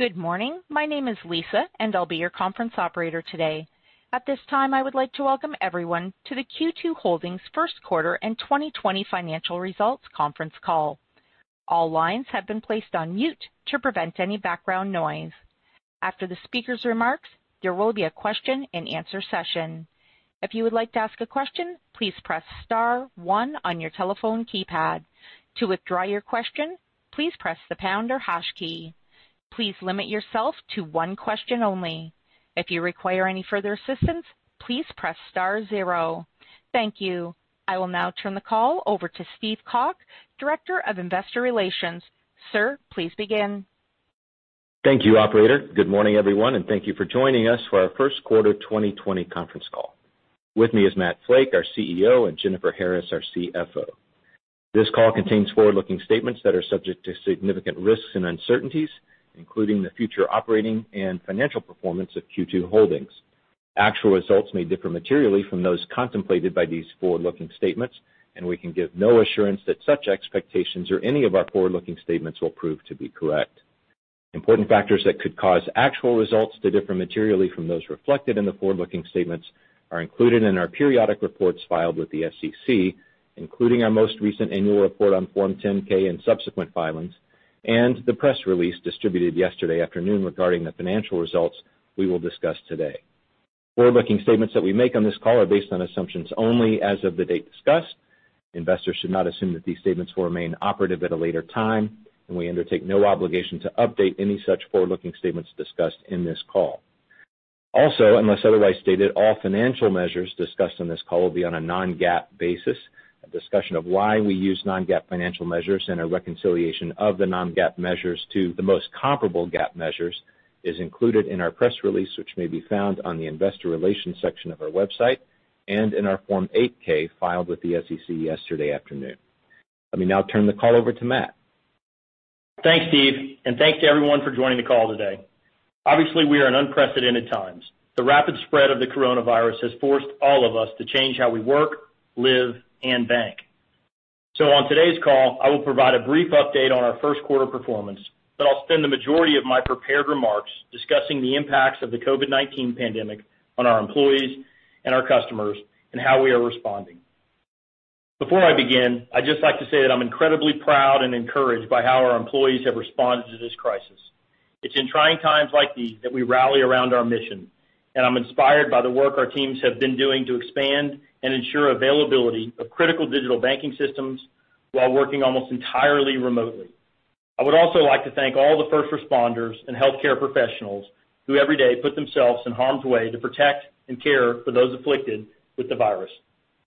Good morning. My name is Lisa, and I'll be your Conference Operator today. At this time, I would like to welcome everyone to the Q2 Holdings first quarter and 2020 financial results conference call. All lines have been placed on mute to prevent any background noise. After the speaker's remarks, there will be a question and answer session. If you would like to ask a question, please press star one on your telephone keypad. To withdraw your question, please press the pound or hash key. Please limit yourself to one question only. If you require any further assistance, please press star zero. Thank you. I will now turn the call over to Steve Calk, Director of Investor Relations. Sir, please begin. Thank you, operator. Good morning, everyone, and thank you for joining us for our first quarter 2020 conference call. With me is Matt Flake, our CEO, and Jennifer Harris, our CFO. This call contains forward-looking statements that are subject to significant risks and uncertainties, including the future operating and financial performance of Q2 Holdings. Actual results may differ materially from those contemplated by these forward-looking statements, and we can give no assurance that such expectations or any of our forward-looking statements will prove to be correct. Important factors that could cause actual results to differ materially from those reflected in the forward-looking statements are included in our periodic reports filed with the SEC, including our most recent annual report on Form 10-K and subsequent filings, and the press release distributed yesterday afternoon regarding the financial results we will discuss today. Forward-looking statements that we make on this call are based on assumptions only as of the date discussed. Investors should not assume that these statements will remain operative at a later time, and we undertake no obligation to update any such forward-looking statements discussed in this call. Also, unless otherwise stated, all financial measures discussed on this call will be on a non-GAAP basis. A discussion of why we use non-GAAP financial measures and a reconciliation of the non-GAAP measures to the most comparable GAAP measures is included in our press release, which may be found on the investor relations section of our website and in our Form 8-K filed with the SEC yesterday afternoon. Let me now turn the call over to Matt. Thanks, Steve, and thanks to everyone for joining the call today. Obviously, we are in unprecedented times. The rapid spread of the Coronavirus has forced all of us to change how we work, live, and bank. On today's call, I will provide a brief update on our first quarter performance, but I'll spend the majority of my prepared remarks discussing the impacts of the COVID-19 pandemic on our employees and our customers and how we are responding. Before I begin, I'd just like to say that I'm incredibly proud and encouraged by how our employees have responded to this crisis. It's in trying times like these that we rally around our mission, and I'm inspired by the work our teams have been doing to expand and ensure availability of critical digital banking systems while working almost entirely remotely. I would also like to thank all the first responders and healthcare professionals who every day put themselves in harm's way to protect and care for those afflicted with the virus.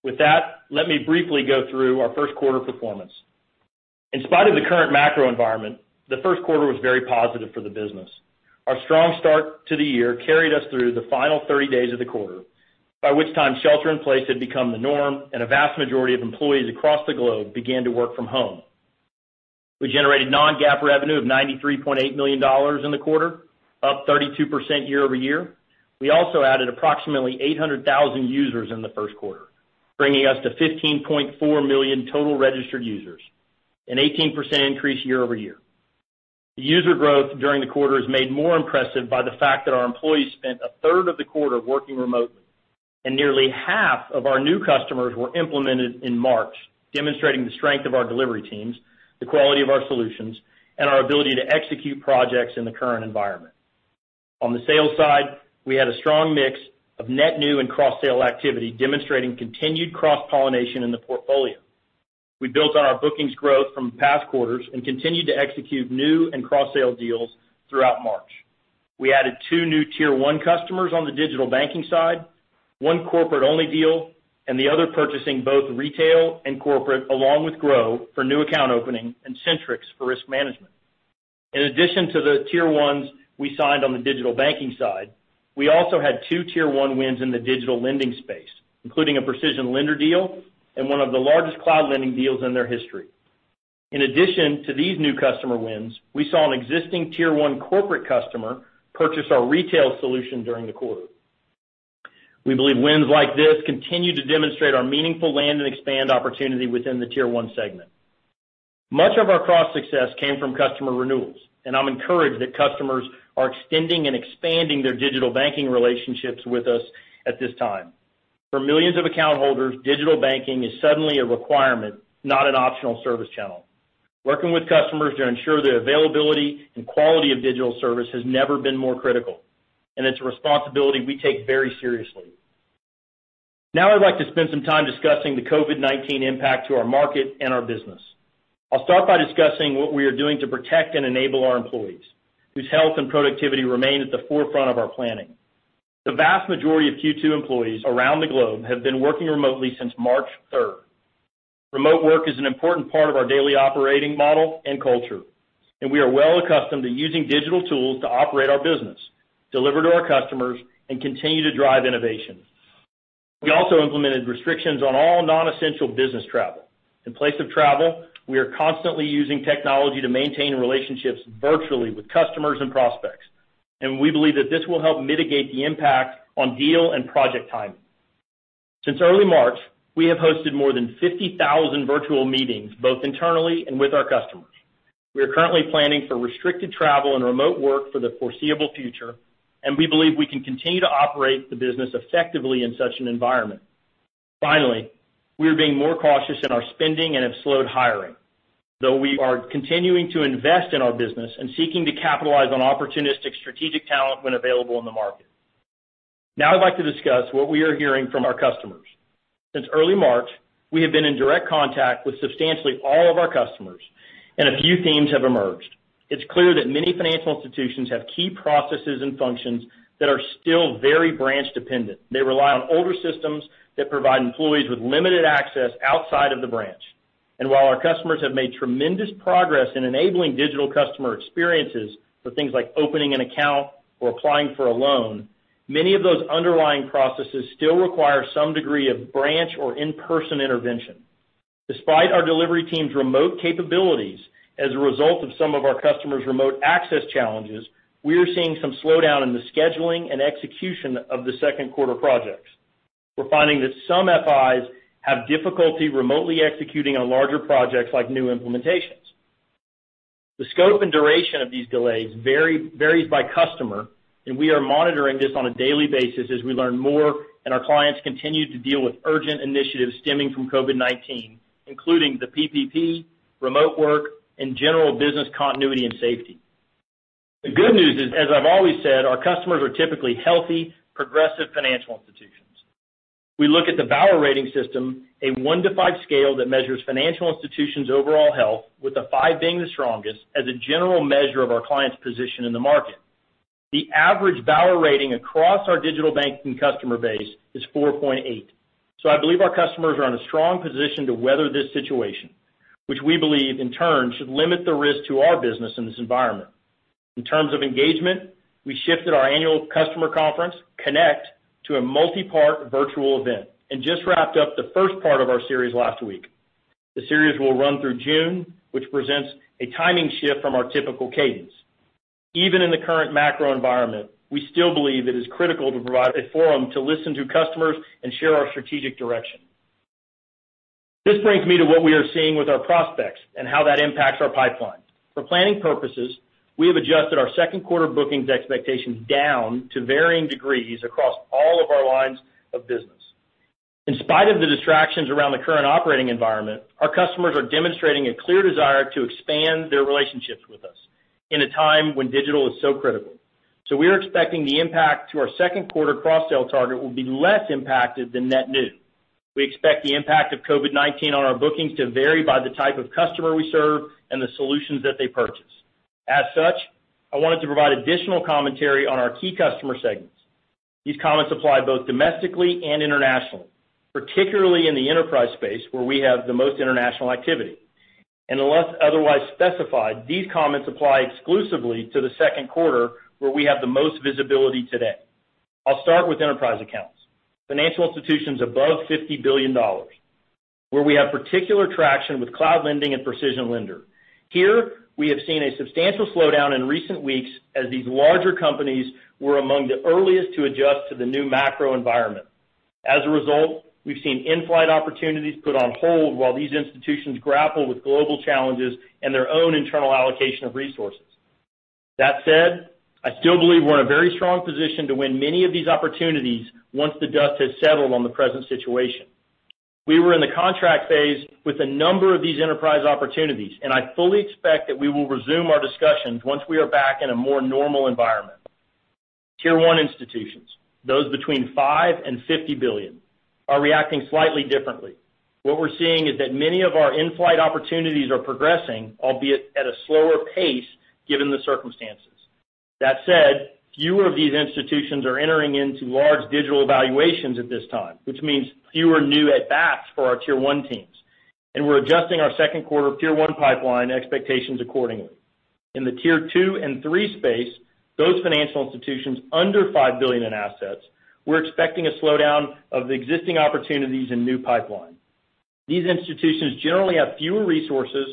With that, let me briefly go through our first quarter performance. In spite of the current macro environment, the first quarter was very positive for the business. Our strong start to the year carried us through the final 30 days of the quarter, by which time shelter in place had become the norm and a vast majority of employees across the globe began to work from home. We generated non-GAAP revenue of $93.8 million in the quarter, up 32% year-over-year. We also added approximately 800,000 users in the first quarter, bringing us to 15.4 million total registered users, an 18% increase year-over-year. The user growth during the quarter is made more impressive by the fact that our employees spent a third of the quarter working remotely and nearly half of our new customers were implemented in March, demonstrating the strength of our delivery teams, the quality of our solutions, and our ability to execute projects in the current environment. On the sales side, we had a strong mix of net new and cross-sale activity, demonstrating continued cross-pollination in the portfolio. We built on our bookings growth from past quarters and continued to execute new and cross-sale deals throughout March. We added two new Tier 1 customers on the digital banking side, one corporate-only deal, and the other purchasing both retail and corporate, along with Gro for new account opening and Centrix for risk management. In addition to the Tier 1s we signed on the digital banking side, we also had two Tier 1 wins in the digital lending space, including a PrecisionLender deal and one of the largest cloud lending deals in their history. In addition to these new customer wins, we saw an existing Tier 1 corporate customer purchase our retail solution during the quarter. We believe wins like this continue to demonstrate our meaningful land and expand opportunity within the Tier 1 segment. Much of our cross success came from customer renewals, and I'm encouraged that customers are extending and expanding their digital banking relationships with us at this time. For millions of account holders, digital banking is suddenly a requirement, not an optional service channel. Working with customers to ensure the availability and quality of digital service has never been more critical, and it's a responsibility we take very seriously. I'd like to spend some time discussing the COVID-19 impact to our market and our business. I'll start by discussing what we are doing to protect and enable our employees, whose health and productivity remain at the forefront of our planning. The vast majority of Q2 employees around the globe have been working remotely since March 3rd. Remote work is an important part of our daily operating model and culture, and we are well accustomed to using digital tools to operate our business, deliver to our customers, and continue to drive innovation. We also implemented restrictions on all non-essential business travel. In place of travel, we are constantly using technology to maintain relationships virtually with customers and prospects, and we believe that this will help mitigate the impact on deal and project timing. Since early March, we have hosted more than 50,000 virtual meetings, both internally and with our customers. We are currently planning for restricted travel and remote work for the foreseeable future. We believe we can continue to operate the business effectively in such an environment. Finally, we are being more cautious in our spending and have slowed hiring. We are continuing to invest in our business and seeking to capitalize on opportunistic strategic talent when available in the market. I'd like to discuss what we are hearing from our customers. Since early March, we have been in direct contact with substantially all of our customers. A few themes have emerged. It's clear that many financial institutions have key processes and functions that are still very branch-dependent. They rely on older systems that provide employees with limited access outside of the branch. While our customers have made tremendous progress in enabling digital customer experiences for things like opening an account or applying for a loan, many of those underlying processes still require some degree of branch or in-person intervention. Despite our delivery team's remote capabilities as a result of some of our customers' remote access challenges, we are seeing some slowdown in the scheduling and execution of the second quarter projects. We're finding that some FIs have difficulty remotely executing on larger projects like new implementations. The scope and duration of these delays varies by customer, and we are monitoring this on a daily basis as we learn more and our clients continue to deal with urgent initiatives stemming from COVID-19, including the PPP, remote work, and general business continuity and safety. The good news is, as I've always said, our customers are typically healthy, progressive financial institutions. We look at the Bauer rating system, a one-to-five scale that measures financial institutions' overall health, with a five being the strongest, as a general measure of our clients' position in the market. The average Bauer rating across our digital banking customer base is 4.8. I believe our customers are in a strong position to weather this situation, which we believe, in turn, should limit the risk to our business in this environment. In terms of engagement, we shifted our annual customer conference, CONNECT, to a multi-part virtual event and just wrapped up the first part of our series last week. The series will run through June, which presents a timing shift from our typical cadence. Even in the current macro environment, we still believe that it's critical to provide a forum to listen to customers and share our strategic direction. This brings me to what we are seeing with our prospects and how that impacts our pipeline. For planning purposes, we have adjusted our second quarter bookings expectations down to varying degrees across all of our lines of business. In spite of the distractions around the current operating environment, our customers are demonstrating a clear desire to expand their relationships with us in a time when digital is so critical. We're expecting the impact to our second quarter cross-sell target will be less impacted than net new. We expect the impact of COVID-19 on our bookings to vary by the type of customer we serve and the solutions that they purchase. As such, I wanted to provide additional commentary on our key customer segments. These comments apply both domestically and internationally, particularly in the enterprise space where we have the most international activity. Unless otherwise specified, these comments apply exclusively to the second quarter, where we have the most visibility today. I'll start with enterprise accounts, financial institutions above $50 billion, where we have particular traction with cloud lending and PrecisionLender. Here, we have seen a substantial slowdown in recent weeks as these larger companies were among the earliest to adjust to the new macro environment. As a result, we've seen in-flight opportunities put on hold while these institutions grapple with global challenges and their own internal allocation of resources. That said, I still believe we're in a very strong position to win many of these opportunities once the dust has settled on the present situation. We were in the contract phase with a number of these enterprise opportunities, and I fully expect that we will resume our discussions once we are back in a more normal environment. Tier 1 institutions, those between $5 billion and 50 billion, are reacting slightly differently. What we're seeing is that many of our in-flight opportunities are progressing, albeit at a slower pace given the circumstances. That said, fewer of these institutions are entering into large digital evaluations at this time, which means fewer new at-bats for our tier 1 teams. We're adjusting our second quarter Tier 1 pipeline expectations accordingly. In the tier 2 and tier 3 space, those financial institutions under $5 billion in assets, we're expecting a slowdown of the existing opportunities and new pipeline. These institutions generally have fewer resources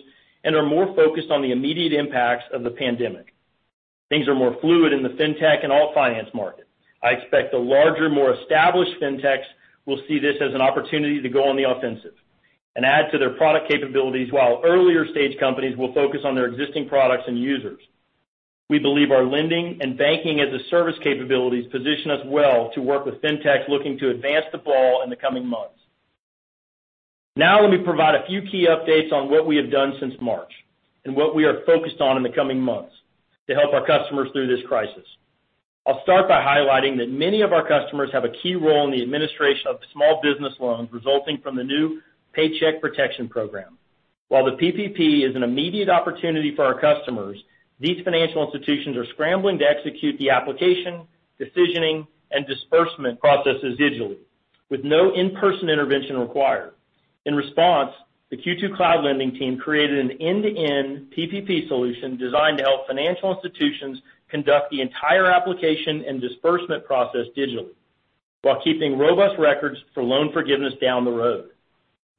and are more focused on the immediate impacts of the pandemic. Things are more fluid in the fintech and alt finance market. I expect the larger, more established fintechs, will see this as an opportunity to go on the offensive and add to their product capabilities while earlier-stage companies will focus on their existing products and users. We believe our lending and Banking as a Service capabilities position us well to work with fintechs looking to advance the ball in the coming months. Let me provide a few key updates on what we have done since March and what we are focused on in the coming months to help our customers through this crisis. I'll start by highlighting that many of our customers have a key role in the administration of small business loans resulting from the new Paycheck Protection Program. While the PPP is an immediate opportunity for our customers, these financial institutions are scrambling to execute the application, decisioning, and disbursement processes digitally with no in-person intervention required. In response, the Q2 Cloud Lending team created an end-to-end PPP solution designed to help financial institutions conduct the entire application and disbursement process digitally while keeping robust records for loan forgiveness down the road.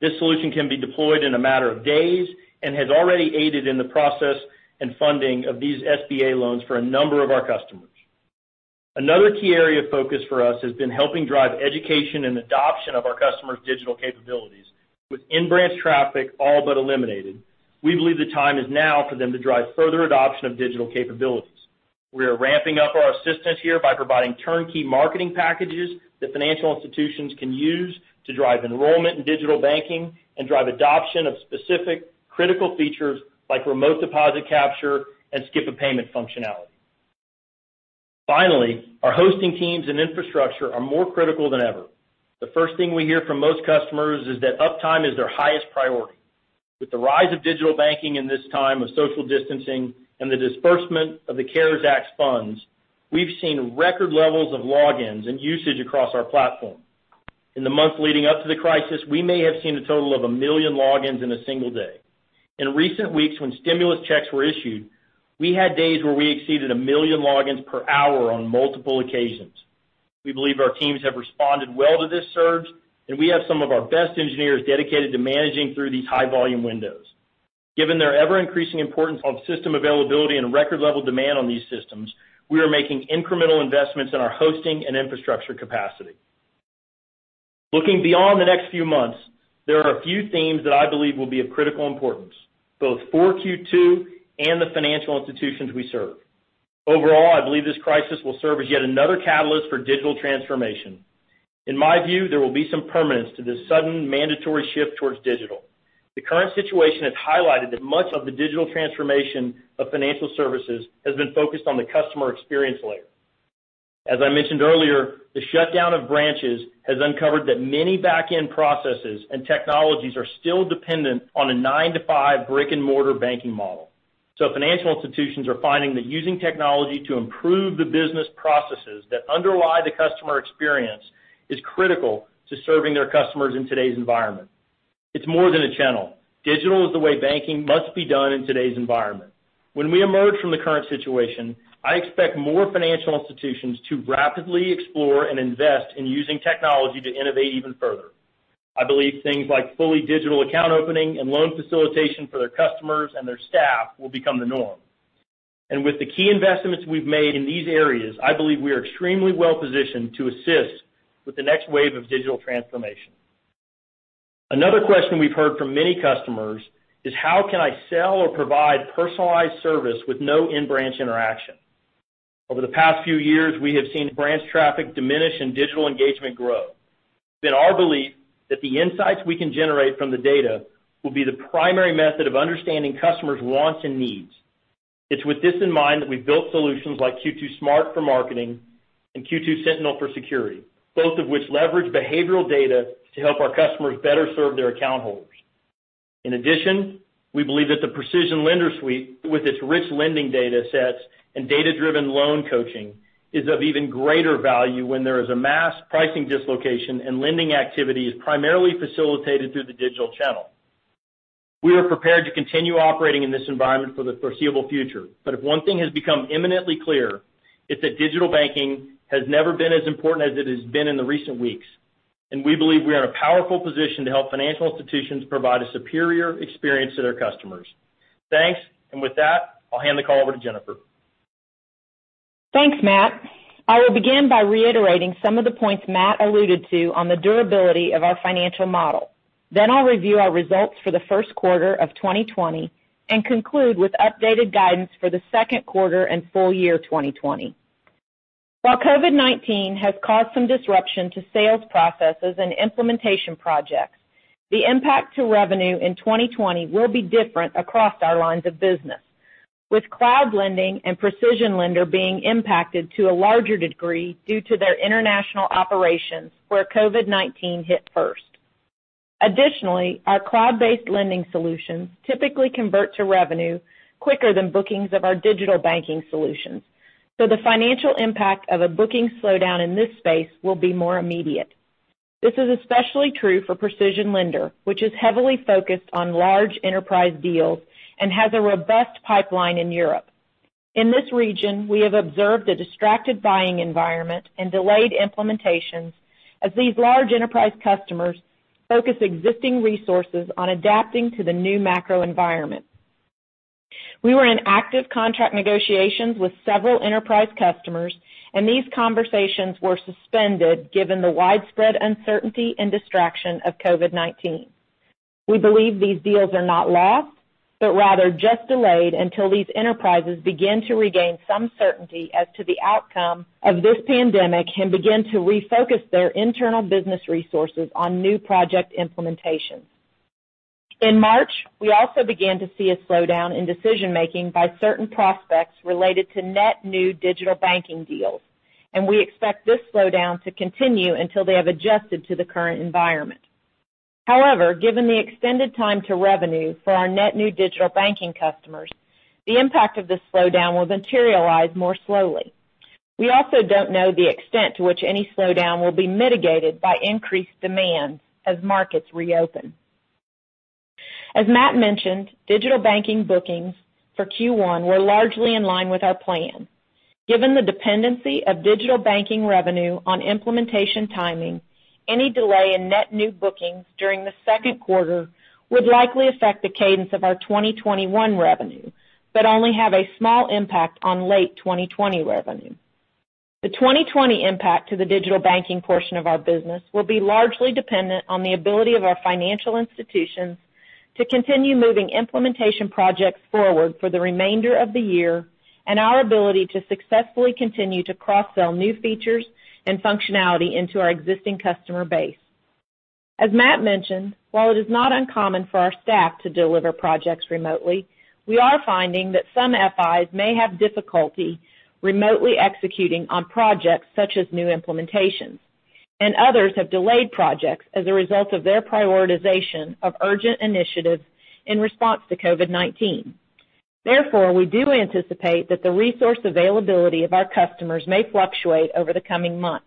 This solution can be deployed in a matter of days and has already aided in the process and funding of these SBA loans for a number of our customers. Another key area of focus for us has been helping drive education and adoption of our customers' digital capabilities. With in-branch traffic all but eliminated, we believe the time is now for them to drive further adoption of digital capabilities. We are ramping up our assistance here by providing turnkey marketing packages that financial institutions can use to drive enrollment in digital banking and drive adoption of specific critical features like remote deposit capture and skip-a-payment functionality. Finally, our hosting teams and infrastructure are more critical than ever. The first thing we hear from most customers is that uptime is their highest priority. With the rise of digital banking in this time of social distancing and the disbursement of the CARES Act funds, we've seen record levels of logins and usage across our platform. In the months leading up to the crisis, we may have seen a total of 1 million logins in a single day. In recent weeks, when stimulus checks were issued, we had days where we exceeded a million logins per hour on multiple occasions. We believe our teams have responded well to this surge, and we have some of our best engineers dedicated to managing through these high-volume windows. Given their ever-increasing importance on system availability and record-level demand on these systems, we are making incremental investments in our hosting and infrastructure capacity. Looking beyond the next few months, there are a few themes that I believe will be of critical importance, both for Q2 and the financial institutions we serve. Overall, I believe this crisis will serve as yet another catalyst for digital transformation. In my view, there will be some permanence to this sudden mandatory shift towards digital. The current situation has highlighted that much of the digital transformation of financial services has been focused on the customer experience layer. As I mentioned earlier, the shutdown of branches has uncovered that many back-end processes and technologies are still dependent on a 9:00 to 5:00 brick-and-mortar banking model. Financial institutions are finding that using technology to improve the business processes that underlie the customer experience is critical to serving their customers in today's environment. It's more than a channel. Digital is the way banking must be done in today's environment. When we emerge from the current situation, I expect more financial institutions to rapidly explore and invest in using technology to innovate even further. I believe things like fully digital account opening and loan facilitation for their customers and their staff will become the norm. With the key investments we've made in these areas, I believe we are extremely well-positioned to assist with the next wave of digital transformation. Another question we've heard from many customers is, how can I sell or provide personalized service with no in-branch interaction? Over the past few years, we have seen branch traffic diminish and digital engagement grow. It's been our belief that the insights we can generate from the data will be the primary method of understanding customers' wants and needs. It's with this in mind that we've built solutions like Q2 SMART for marketing and Q2 Sentinel for security, both of which leverage behavioral data to help our customers better serve their account holders. In addition, we believe that the PrecisionLender suite, with its rich lending data sets and data-driven loan coaching, is of even greater value when there is a mass pricing dislocation and lending activity is primarily facilitated through the digital channel. We are prepared to continue operating in this environment for the foreseeable future, but if one thing has become imminently clear, it's that digital banking has never been as important as it has been in the recent weeks, and we believe we are in a powerful position to help financial institutions provide a superior experience to their customers. Thanks. With that, I'll hand the call over to Jennifer. Thanks, Matt. I will begin by reiterating some of the points Matt alluded to on the durability of our financial model. Then, I'll review our results for the first quarter of 2020 and conclude with updated guidance for the second quarter and full year 2020. While COVID-19 has caused some disruption to sales processes and implementation projects, the impact to revenue in 2020 will be different across our lines of business, with cloud lending and PrecisionLender being impacted to a larger degree due to their international operations where COVID-19 hit first. Additionally, our cloud-based lending solutions typically convert to revenue quicker than bookings of our digital banking solutions. The financial impact of a booking slowdown in this space will be more immediate. This is especially true for PrecisionLender, which is heavily focused on large enterprise deals and has a robust pipeline in Europe. In this region, we have observed a distracted buying environment and delayed implementations as these large enterprise customers focus existing resources on adapting to the new macro environment. We were in active contract negotiations with several enterprise customers, and these conversations were suspended given the widespread uncertainty and distraction of COVID-19. We believe these deals are not lost, but rather just delayed until these enterprises begin to regain some certainty as to the outcome of this pandemic and begin to refocus their internal business resources on new project implementations. In March, we also began to see a slowdown in decision-making by certain prospects related to net new digital banking deals, and we expect this slowdown to continue until they have adjusted to the current environment. However, given the extended time to revenue for our net new digital banking customers, the impact of this slowdown will materialize more slowly. We also don't know the extent to which any slowdown will be mitigated by increased demand as markets re-open. As Matt mentioned, digital banking bookings for Q1 were largely in line with our plan. Given the dependency of digital banking revenue on implementation timing, any delay in net new bookings during the second quarter would likely affect the cadence of our 2021 revenue, but only have a small impact on late 2020 revenue. The 2020 impact to the digital banking portion of our business will be largely dependent on the ability of our financial institutions to continue moving implementation projects forward for the remainder of the year, and our ability to successfully continue to cross-sell new features and functionality into our existing customer base. As Matt mentioned, while it is not uncommon for our staff to deliver projects remotely, we are finding that some FIs may have difficulty remotely executing on projects such as new implementations, and others have delayed projects as a result of their prioritization of urgent initiatives in response to COVID-19. We do anticipate that the resource availability of our customers may fluctuate over the coming months.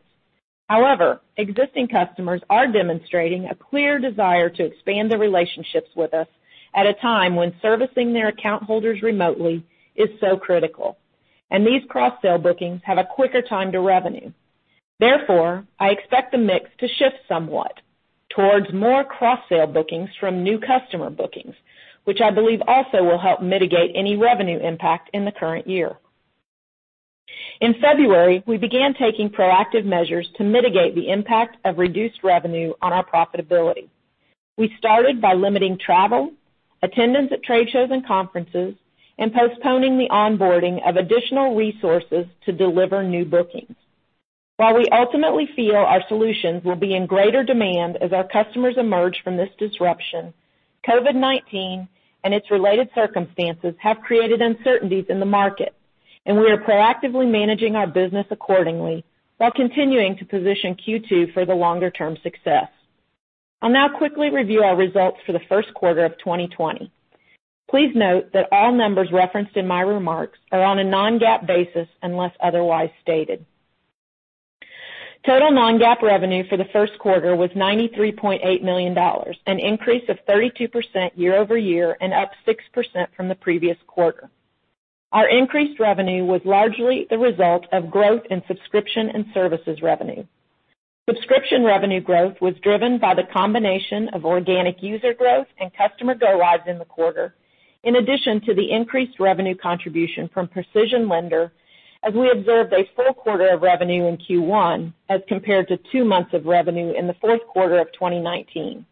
However, existing customers are demonstrating a clear desire to expand their relationships with us at a time when servicing their account holders remotely is so critical, and these cross-sell bookings have a quicker time to revenue. Therefore, I expect the mix to shift somewhat towards more cross-sell bookings from new customer bookings, which I believe also will help mitigate any revenue impact in the current year. In February, we began taking proactive measures to mitigate the impact of reduced revenue on our profitability. We started by limiting travel, attendance at trade shows and conferences, and postponing the onboarding of additional resources to deliver new bookings. While we ultimately feel our solutions will be in greater demand as our customers emerge from this disruption, COVID-19 and its related circumstances have created uncertainties in the market, and we are proactively managing our business accordingly while continuing to position Q2 for the longer-term success. I'll now quickly review our results for the first quarter of 2020. Please note that all numbers referenced in my remarks are on a non-GAAP basis unless otherwise stated. Total non-GAAP revenue for the first quarter was $93.8 million, an increase of 32% year-over-year and up 6% from the previous quarter. Our increased revenue was largely the result of growth in subscription and services revenue. Subscription revenue growth was driven by the combination of organic user growth and customer go lives in the quarter, in addition to the increased revenue contribution from PrecisionLender, as we observed a full quarter of revenue in Q1 as compared to two months of revenue in the fourth quarter of 2019.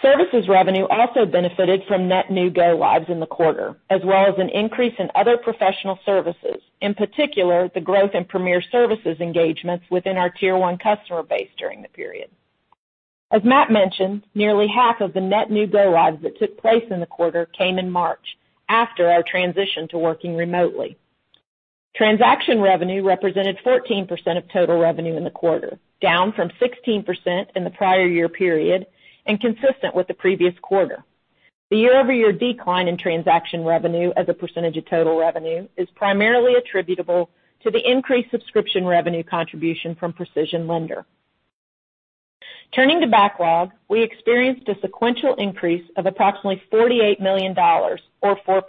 Services revenue also benefited from net new go lives in the quarter, as well as an increase in other professional services, in particular, the growth in premier services engagements within our tier 1 customer base during the period. As Matt mentioned, nearly half of the net new go lives that took place in the quarter came in March, after our transition to working remotely. Transaction revenue represented 14% of total revenue in the quarter, down from 16% in the prior year period, and consistent with the previous quarter. The year-over-year decline in transaction revenue as a percentage of total revenue is primarily attributable to the increased subscription revenue contribution from PrecisionLender. Turning to backlog, we experienced a sequential increase of approximately $48 million, or 4%,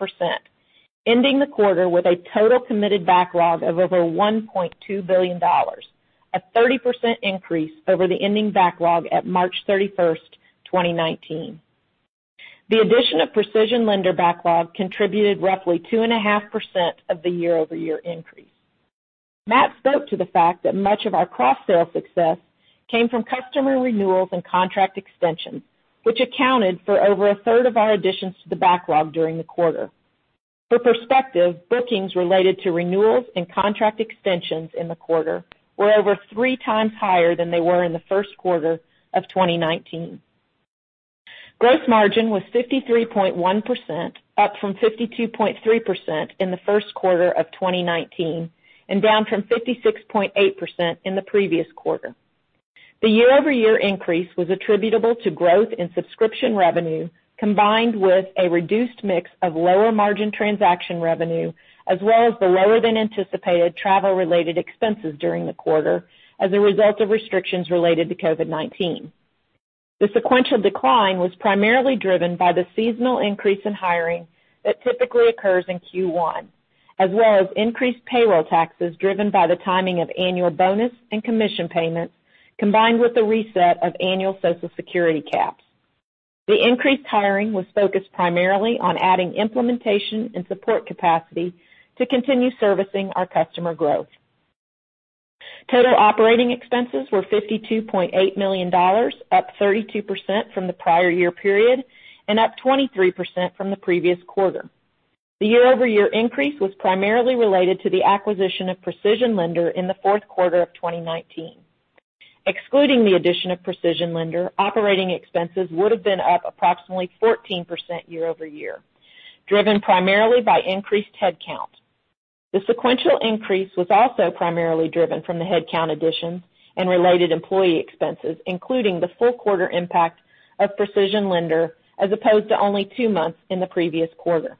ending the quarter with a total committed backlog of over $1.2 billion, a 30% increase over the ending backlog at March 31st, 2019. The addition of PrecisionLender backlog contributed roughly 2.5% of the year-over-year increase. Matt spoke to the fact that much of our cross-sell success came from customer renewals and contract extensions, which accounted for over a third of our additions to the backlog during the quarter. For perspective, bookings related to renewals and contract extensions in the quarter were over 3x higher than they were in the first quarter of 2019. Gross margin was 53.1%, up from 52.3% in the first quarter of 2019 and down from 56.8% in the previous quarter. The year-over-year increase was attributable to growth in subscription revenue, combined with a reduced mix of lower margin transaction revenue, as well as the lower than anticipated travel related expenses during the quarter as a result of restrictions related to COVID-19. The sequential decline was primarily driven by the seasonal increase in hiring that typically occurs in Q1, as well as increased payroll taxes driven by the timing of annual bonus and commission payments, combined with the reset of annual Social Security caps. The increased hiring was focused primarily on adding implementation and support capacity to continue servicing our customer growth. Total operating expenses were $52.8 million, up 32% from the prior year period and up 23% from the previous quarter. The year-over-year increase was primarily related to the acquisition of PrecisionLender in the fourth quarter of 2019. Excluding the addition of PrecisionLender, operating expenses would have been up approximately 14% year-over-year, driven primarily by increased headcount. The sequential increase was also primarily driven from the headcount additions and related employee expenses, including the full quarter impact of PrecisionLender, as opposed to only two months in the previous quarter.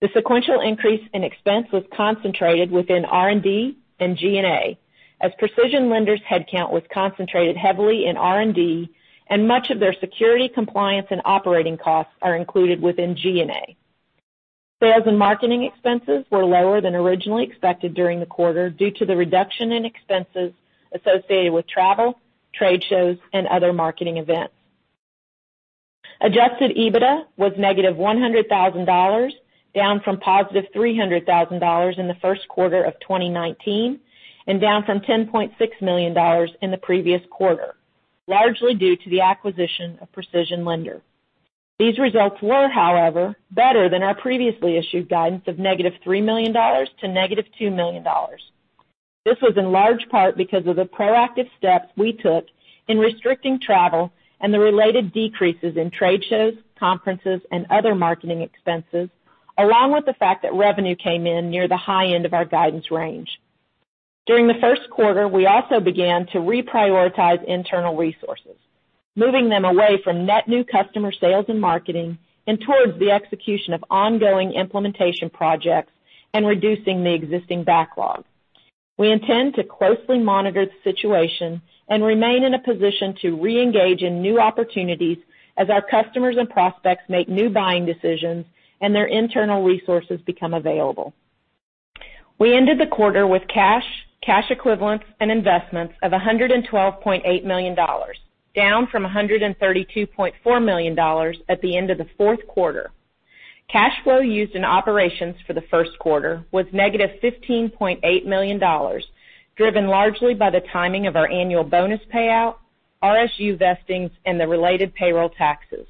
The sequential increase in expense was concentrated within R&D and G&A, as PrecisionLender's headcount was concentrated heavily in R&D, and much of their security, compliance, and operating costs are included within G&A. Sales and marketing expenses were lower than originally expected during the quarter due to the reduction in expenses associated with travel, trade shows, and other marketing events. Adjusted EBITDA was negative $100,000, down from positive $300,000 in the first quarter of 2019, and down from $10.6 million in the previous quarter, largely due to the acquisition of PrecisionLender. These results were, however, better than our previously issued guidance of negative $3 million to negative 2 million. This was in large part because of the proactive steps we took in restricting travel and the related decreases in trade shows, conferences, and other marketing expenses, along with the fact that revenue came in near the high end of our guidance range. During the first quarter, we also began to reprioritize internal resources, moving them away from net new customer sales and marketing and towards the execution of ongoing implementation projects and reducing the existing backlog. We intend to closely monitor the situation and remain in a position to reengage in new opportunities as our customers and prospects make new buying decisions and their internal resources become available. We ended the quarter with cash equivalents, and investments of $112.8 million, down from 132.4 million at the end of the fourth quarter. Cash flow used in operations for the first quarter was negative $15.8 million, driven largely by the timing of our annual bonus payout, RSU vestings, and the related payroll taxes.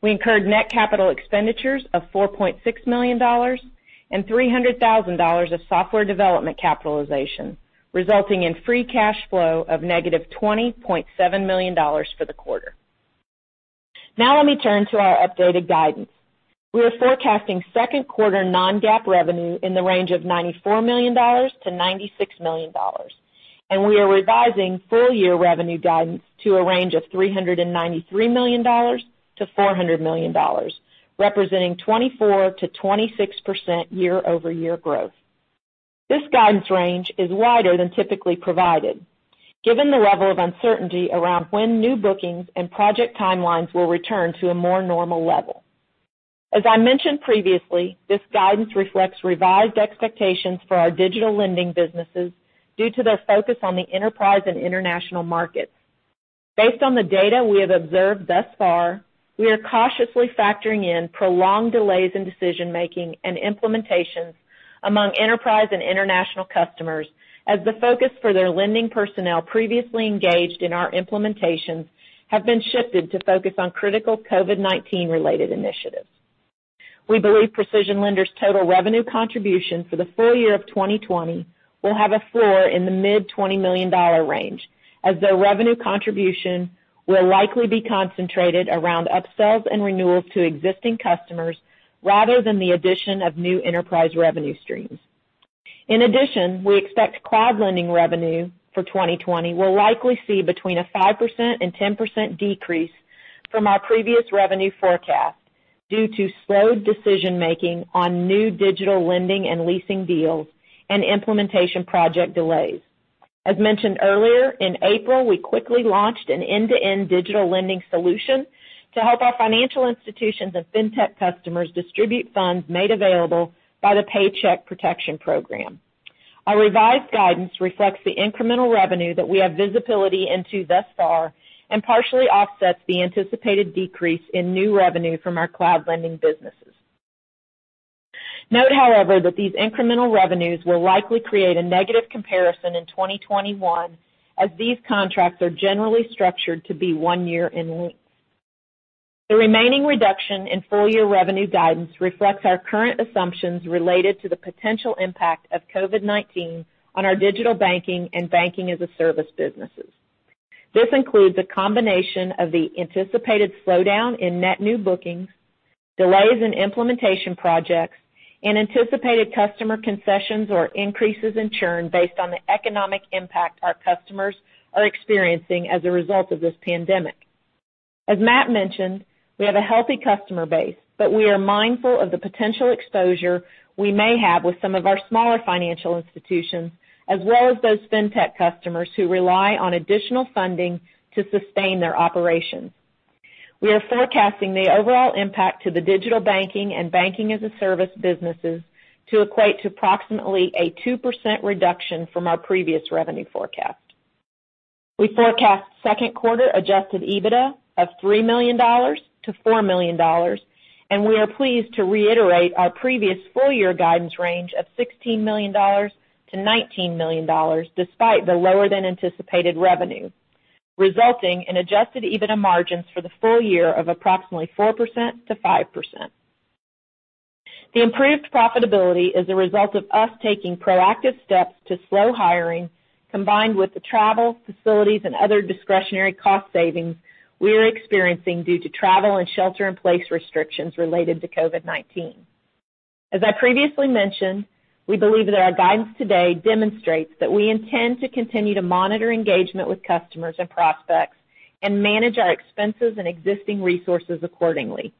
We incurred net capital expenditures of $4.6 million and 300,000 of software development capitalization, resulting in free cash flow of negative $20.7 million for the quarter. Let me turn to our updated guidance. We are forecasting second quarter non-GAAP revenue in the range of $94 million-96 million, and we are revising full-year revenue guidance to a range of $393 million-400 million, representing 24%-26% year-over-year growth. This guidance range is wider than typically provided given the level of uncertainty around when new bookings and project timelines will return to a more normal level. As I mentioned previously, this guidance reflects revised expectations for our digital lending businesses due to their focus on the enterprise and international markets. Based on the data we have observed thus far, we are cautiously factoring in prolonged delays in decision-making and implementations among enterprise and international customers as the focus for their lending personnel previously engaged in our implementations have been shifted to focus on critical COVID-19 related initiatives. We believe PrecisionLender's total revenue contribution for the full year of 2020 will have a floor in the mid $20 million range as their revenue contribution will likely be concentrated around upsells and renewals to existing customers rather than the addition of new enterprise revenue streams. In addition, we expect cloud lending revenue for 2020 will likely see between a 5% and 10% decrease from our previous revenue forecast due to slowed decision-making on new digital lending and leasing deals and implementation project delays. As mentioned earlier, in April, we quickly launched an end-to-end digital lending solution to help our financial institutions and fintech customers distribute funds made available by the Paycheck Protection Program. Our revised guidance reflects the incremental revenue that we have visibility into thus far and partially offsets the anticipated decrease in new revenue from our cloud lending businesses. Note, however, that these incremental revenues will likely create a negative comparison in 2021, as these contracts are generally structured to be one year in length. The remaining reduction in full-year revenue guidance reflects our current assumptions related to the potential impact of COVID-19 on our digital banking and Banking as a Service businesses. This includes a combination of the anticipated slowdown in net new bookings, delays in implementation projects, and anticipated customer concessions or increases in churn based on the economic impact our customers are experiencing as a result of this pandemic. As Matt mentioned, we have a healthy customer base, but we are mindful of the potential exposure we may have with some of our smaller financial institutions, as well as those fintech customers who rely on additional funding to sustain their operations. We are forecasting the overall impact to the digital banking and Banking as a Service businesses to equate to approximately a 2% reduction from our previous revenue forecast. We forecast second quarter Adjusted EBITDA of $3 million-4 million, and we are pleased to reiterate our previous full year guidance range of $16 million-19 million, despite the lower than anticipated revenue, resulting in Adjusted EBITDA margins for the full year of approximately 4%-5%. The improved profitability is a result of us taking proactive steps to slow hiring, combined with the travel, facilities, and other discretionary cost savings we are experiencing due to travel and shelter-in-place restrictions related to COVID-19. As I previously mentioned, we believe that our guidance today demonstrates that we intend to continue to monitor engagement with customers and prospects and manage our expenses and existing resources accordingly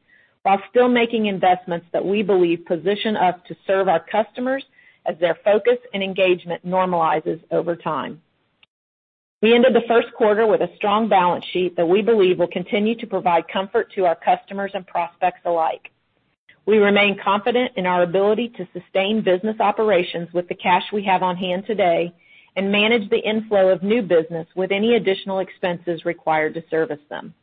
while still making investments that we believe position us to serve our customers as their focus and engagement normalizes over time. We ended the first quarter with a strong balance sheet that we believe will continue to provide comfort to our customers and prospects alike. We remain confident in our ability to sustain business operations with the cash we have on hand today and manage the inflow of new business with any additional expenses required to service them.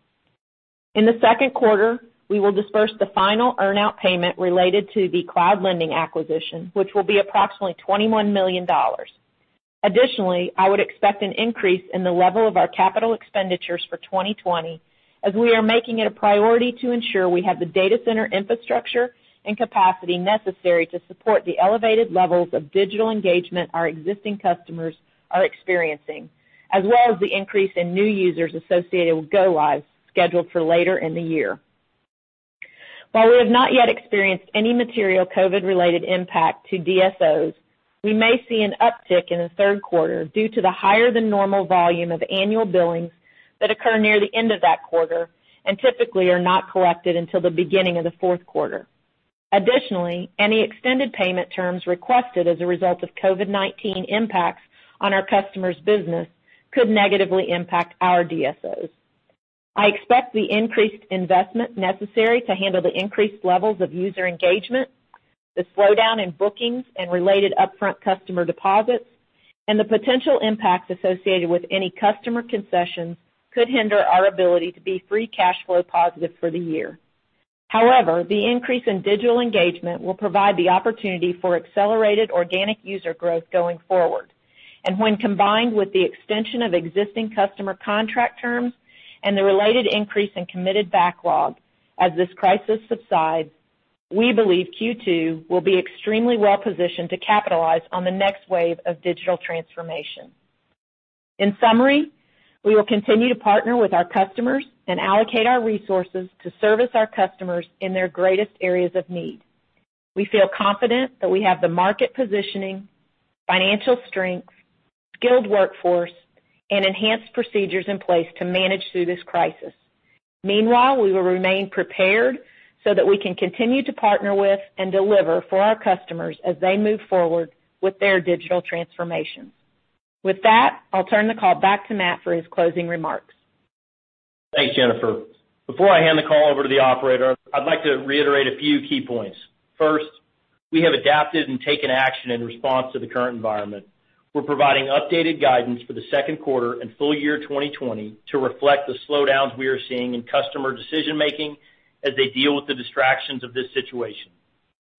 In the second quarter, we will disperse the final earn-out payment related to the cloud lending acquisition, which will be approximately $21 million. I would expect an increase in the level of our capital expenditures for 2020 as we are making it a priority to ensure we have the data center infrastructure and capacity necessary to support the elevated levels of digital engagement our existing customers are experiencing, as well as the increase in new users associated with go-lives scheduled for later in the year. While we have not yet experienced any material COVID-related impact to DSOs, we may see an uptick in the third quarter due to the higher-than-normal volume of annual billings that occur near the end of that quarter and typically are not collected until the beginning of the fourth quarter. Any extended payment terms requested as a result of COVID-19 impacts on our customer's business could negatively impact our DSOs. I expect the increased investment necessary to handle the increased levels of user engagement, the slowdown in bookings and related upfront customer deposits, and the potential impacts associated with any customer concessions could hinder our ability to be free cash flow positive for the year. However, the increase in digital engagement will provide the opportunity for accelerated organic user growth going forward. And when combined with the extension of existing customer contract terms and the related increase in committed backlog as this crisis subsides, we believe Q2 will be extremely well-positioned to capitalize on the next wave of digital transformation. In summary, we will continue to partner with our customers and allocate our resources to service our customers in their greatest areas of need. We feel confident that we have the market positioning, financial strength, skilled workforce, and enhanced procedures in place to manage through this crisis. Meanwhile, we will remain prepared so that we can continue to partner with and deliver for our customers as they move forward with their digital transformation. With that, I'll turn the call back to Matt for his closing remarks. Thanks, Jennifer. Before I hand the call over to the Operator, I'd like to reiterate a few key points. First, we have adapted and taken action in response to the current environment. We're providing updated guidance for the second quarter and full year 2020 to reflect the slowdowns we are seeing in customer decision-making as they deal with the distractions of this situation.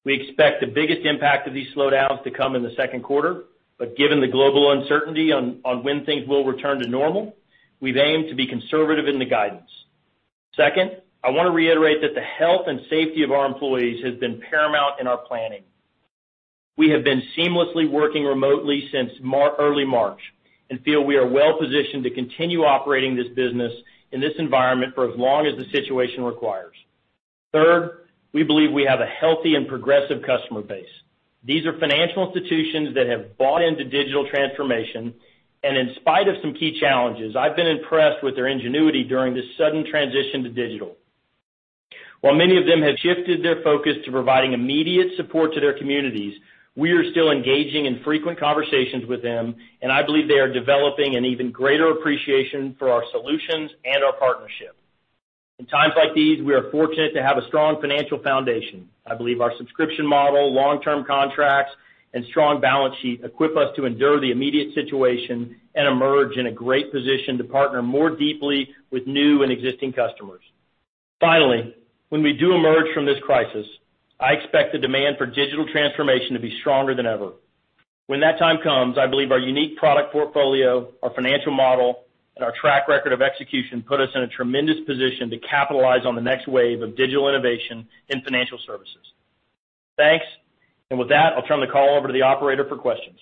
We expect the biggest impact of these slowdowns to come in the second quarter, but given the global uncertainty on when things will return to normal, we've aimed to be conservative in the guidance. Second, I want to reiterate that the health and safety of our employees has been paramount in our planning. We have been seamlessly working remotely since early March and feel we are well-positioned to continue operating this business in this environment for as long as the situation requires. Third, we believe we have a healthy and progressive customer base. These are financial institutions that have bought into digital transformation, and in spite of some key challenges, I've been impressed with their ingenuity during this sudden transition to digital. While many of them have shifted their focus to providing immediate support to their communities, we are still engaging in frequent conversations with them, and I believe they are developing an even greater appreciation for our solutions and our partnership. In times like these, we are fortunate to have a strong financial foundation. I believe our subscription model, long-term contracts, and strong balance sheet equip us to endure the immediate situation and emerge in a great position to partner more deeply with new and existing customers. When we do emerge from this crisis, I expect the demand for digital transformation to be stronger than ever. When that time comes, I believe our unique product portfolio, our financial model, and our track record of execution put us in a tremendous position to capitalize on the next wave of digital innovation in financial services. Thanks. With that, I'll turn the call over to the Operator for questions.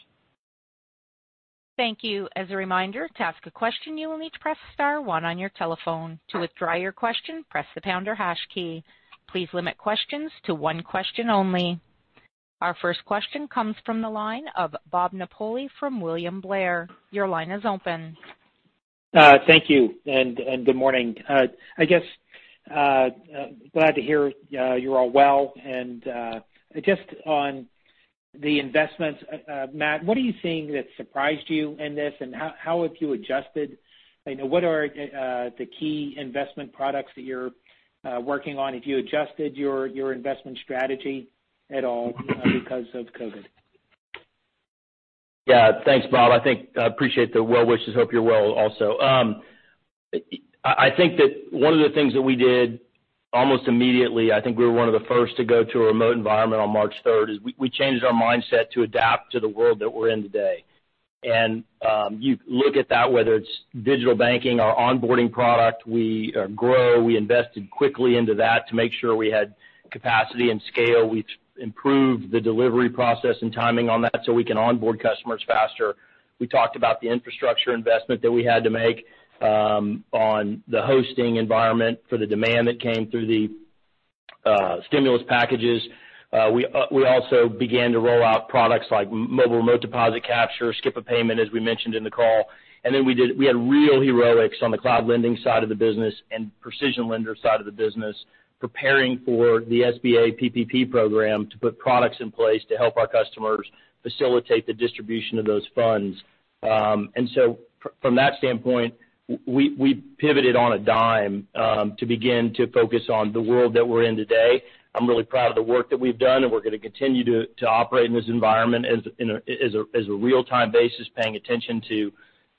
Thank you. As a reminder, to ask a question, you will need to press star one on your telephone. To withdraw your question, press the pound or hash key. Please limit questions to one question only. Our first question comes from the line of Bob Napoli from William Blair. Your line is open. Thank you. Good morning. Glad to hear you're all well. Just on the investments, Matt, what are you seeing that surprised you in this, and how have you adjusted? What are the key investment products that you're working on? Have you adjusted your investment strategy at all because of COVID? Yeah. Thanks, Bob. I appreciate the well wishes. Hope you're well also. I think that one of the things that we did almost immediately, I think we were one of the first to go to a remote environment on March 3rd, is we changed our mindset to adapt to the world that we're in today. You look at that, whether it's digital banking, our onboarding product, we are grow. We invested quickly into that to make sure we had capacity and scale. We've improved the delivery process and timing on that so we can onboard customers faster. We talked about the infrastructure investment that we had to make on the hosting environment for the demand that came through the stimulus packages. We also began to roll out products like mobile remote deposit capture, skip-a-payment, as we mentioned in the call. And we did— we had real heroics on the cloud lending side of the business and PrecisionLender side of the business, preparing for the SBA PPP program to put products in place to help our customers facilitate the distribution of those funds. From that standpoint, we pivoted on a dime to begin to focus on the world that we're in today. I'm really proud of the work that we've done, and we're going to continue to operate in this environment as a real-time basis, paying attention to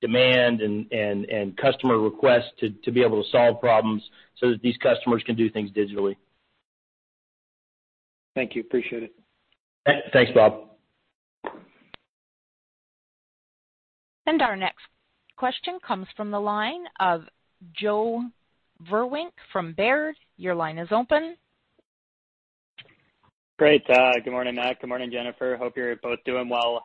demand and customer requests to be able to solve problems so that these customers can do things digitally. Thank you. Appreciate it. Thanks, Bob. Our next question comes from the line of Joe Vruwink from Baird. Your line is open. Great. Good morning, Matt. Good morning, Jennifer. Hope you're both doing well.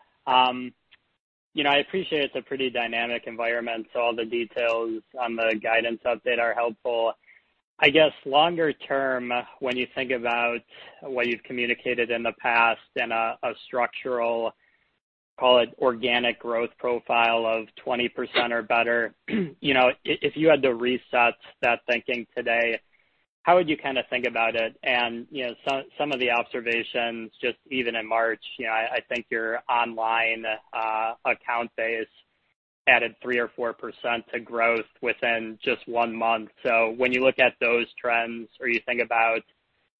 I appreciate it's a pretty dynamic environment, so all the details on the guidance update are helpful. I guess longer term, when you think about what you've communicated in the past and a structural, call it organic growth profile of 20% or better, if you had to reset that thinking today, how would you think about it? Some of the observations, just even in March, I think your online account base added 3% or 4% to growth within just one month. When you look at those trends or you think about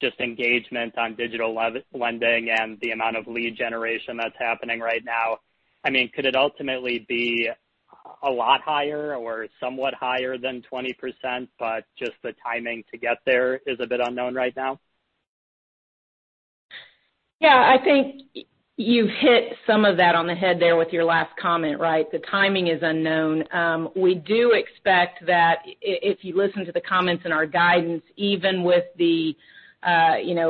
just engagement on digital lending and the amount of lead generation that's happening right now, could it ultimately be a lot higher or somewhat higher than 20%, but just the timing to get there is a bit unknown right now? Yeah. I think you've hit some of that on the head there with your last comment, right? The timing is unknown. We do expect that if you listen to the comments in our guidance, even with the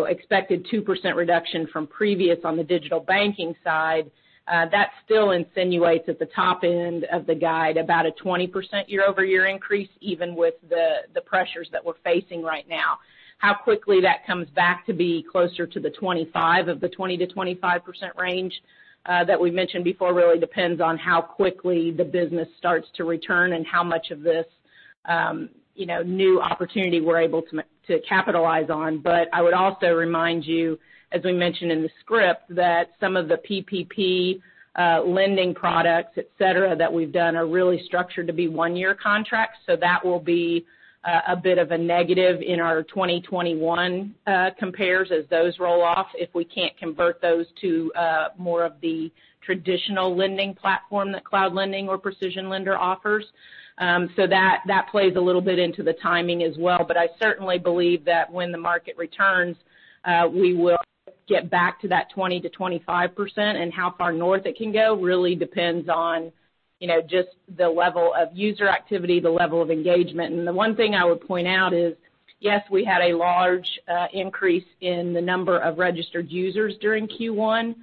expected 2% reduction from previous on the digital banking side, that still insinuates at the top end of the guide about a 20% year-over-year increase, even with the pressures that we're facing right now. How quickly that comes back to be closer to the 20%-25% range that we mentioned before really depends on how quickly the business starts to return and how much of this new opportunity we're able to capitalize on. I would also remind you, as we mentioned in the script, that some of the PPP lending products, et cetera, that we've done are really structured to be one-year contracts. So that will be a bit of a negative in our 2021 compares as those roll off if we can't convert those to more of the traditional lending platform that cloud lending or PrecisionLender offers. So, that— that plays a little bit into the timing as well. I certainly believe that when the market returns, we will get back to that 20%-25%. How far north it can go really depends on just the level of user activity, the level of engagement. The one thing I would point out is, yes, we had a large increase in the number of registered users during Q1,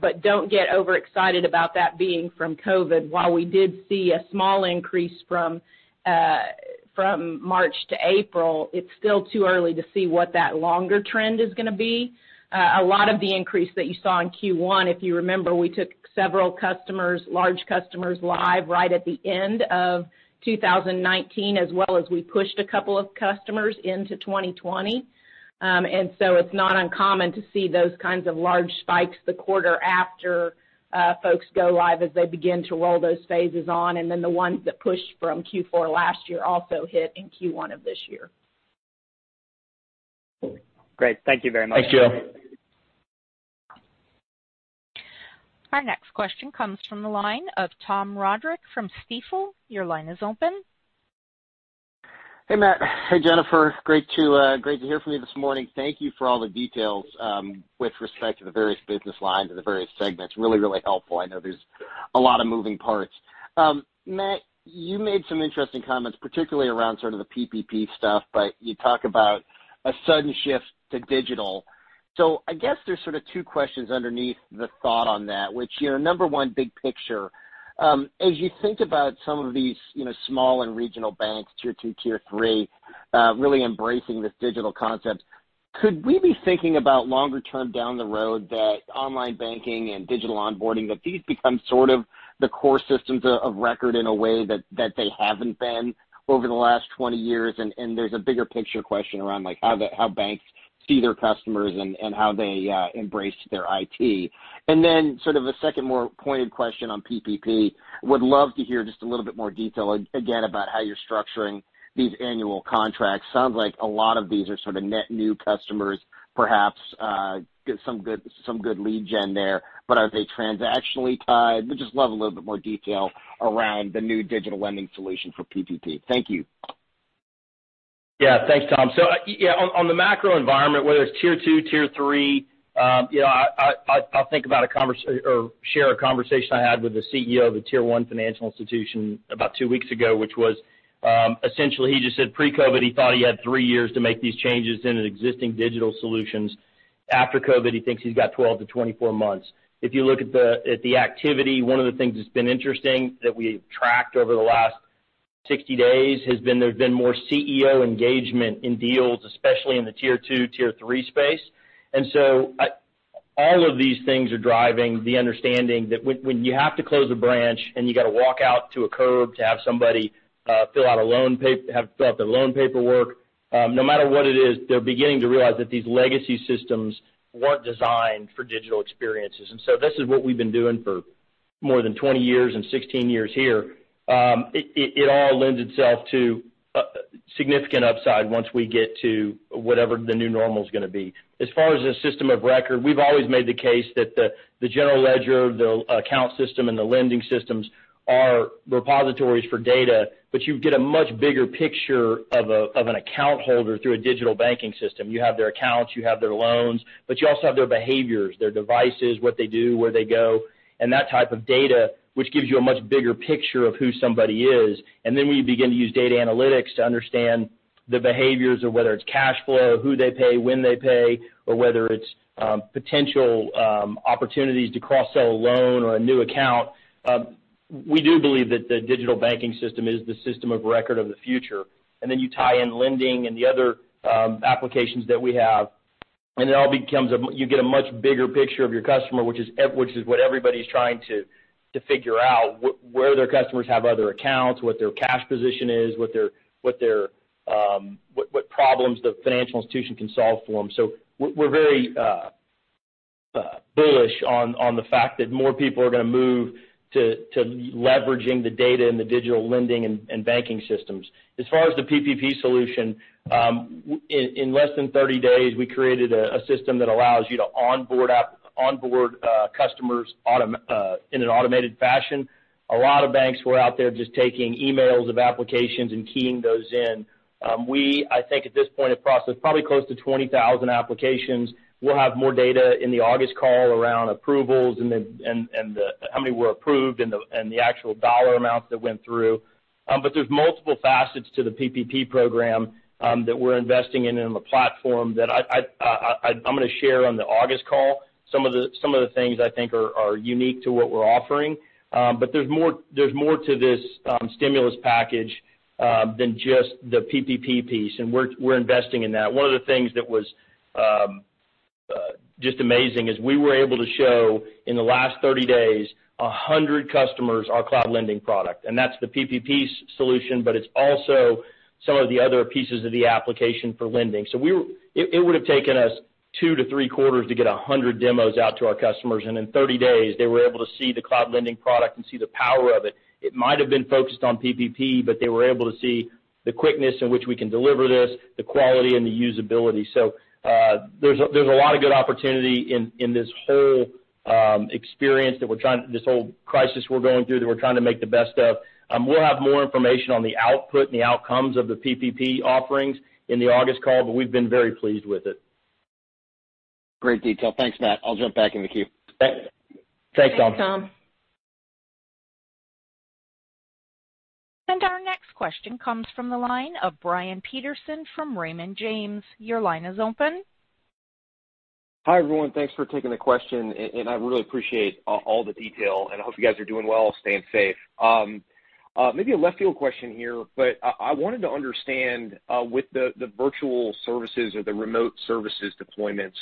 but don't get overexcited about that being from COVID-19. While we did see a small increase from March to April, it's still too early to see what that longer trend is going to be. A lot of the increase that you saw in Q1, if you remember, we took several customers, large customers live right at the end of 2019, as well as we pushed a couple of customers into 2020. It's not uncommon to see those kinds of large spikes the quarter after folks go live as they begin to roll those phases on, and then the ones that pushed from Q4 last year also hit in Q1 of this year. Great. Thank you very much. Thanks, Joe. Our next question comes from the line of Tom Roderick from Stifel. Your line is open. Hey, Matt. Hey, Jennifer. Great to hear from you this morning. Thank you for all the details with respect to the various business lines and the various segments. Really helpful. I know there's a lot of moving parts. Matt, you made some interesting comments, particularly around sort of the PPP stuff. You talk about a sudden shift to digital. I guess there's sort of two questions underneath the thought on that, which number one, big picture. As you think about some of these small and regional banks, tier 2, tier 3 really embracing this digital concept, could we be thinking about longer term down the road that online banking and digital onboarding, that these become sort of the core systems of record in a way that they haven't been over the last 20 years? There's a bigger picture question around how banks see their customers and how they embrace their IT. Then sort of a second more pointed question on PPP. Would love to hear just a little bit more detail again about how you're structuring these annual contracts. Sounds like a lot of these are sort of net new customers, perhaps get some good lead gen there, but are they transactionally tied? Would just love a little bit more detail around the new digital lending solution for PPP. Thank you. Yeah. Thanks, Tom. Yeah, on the macro environment, whether it's tier 2, tier 3, I'll share a conversation I had with the CEO of a tier 1 financial institution about two weeks ago, which was essentially he just said pre-COVID, he thought he had three years to make these changes in an existing digital solutions. After COVID, he thinks he's got 12-24 months. If you look at the activity, one of the things that's been interesting that we have tracked over the last 60 days has been there's been more CEO engagement in deals, especially in the tier 2, tier 3 space. And so, all of these things are driving the understanding that when you have to close a branch and you got to walk out to a curb to have somebody fill out their loan paperwork, no matter what it is, they're beginning to realize that these legacy systems weren't designed for digital experiences. And so that is what we've been doing for more than 20 years, and 16 years here. It all lends itself to significant upside once we get to whatever the new normal is going to be. As far as the system of record, we've always made the case that the general ledger, the account system, and the lending systems are repositories for data, but you get a much bigger picture of an account holder through a digital banking system. You have their accounts, you have their loans, but you also have their behaviors, their devices, what they do, where they go, and that type of data, which gives you a much bigger picture of who somebody is. When you begin to use data analytics to understand the behaviors of whether it's cash flow, who they pay, when they pay, or whether it's potential opportunities to cross-sell a loan or a new account. We do believe that the digital banking system is the system of record of the future. You tie in lending and the other applications that we have, and you get a much bigger picture of your customer, which is what everybody's trying to figure out, where their customers have other accounts, what their cash position is, what problems the financial institution can solve for them. So, we're very bullish on the fact that more people are going to move to leveraging the data and the digital lending and banking systems. As far as the PPP solution, in less than 30 days, we created a system that allows you to onboard customers in an automated fashion. A lot of banks were out there just taking emails of applications and keying those in. We, I think at this point, have processed probably close to 20,000 applications. We'll have more data in the August call around approvals and how many were approved and the actual dollar amounts that went through. There's multiple facets to the PPP Program that we're investing in the platform that I'm going to share on the August call. Some of the things I think are unique to what we're offering. There's more to this stimulus package than just the PPP piece, and we're investing in that. One of the things that was just amazing is we were able to show, in the last 30 days, a 100 customers our Cloud Lending product. That's the PPP solution, but it's also some of the other pieces of the application for lending. It would have taken us two to three quarters to get 100 demos out to our customers. In 30 days, they were able to see the Cloud Lending product and see the power of it. It might've been focused on PPP, but they were able to see the quickness in which we can deliver this, the quality, and the usability. There's a lot of good opportunity in this whole experience, this whole crisis we're going through, that we're trying to make the best of. We'll have more information on the output and the outcomes of the PPP offerings in the August call, but we've been very pleased with it. Great detail. Thanks, Matt. I'll jump back in the queue. Thanks, Tom. Thanks, Tom. Our next question comes from the line of Brian Peterson from Raymond James. Your line is open. Hi, everyone. Thanks for taking the question. I really appreciate all the detail, and I hope you guys are doing well, staying safe. Maybe a left field question here. I wanted to understand, with the virtual services or the remote services deployments,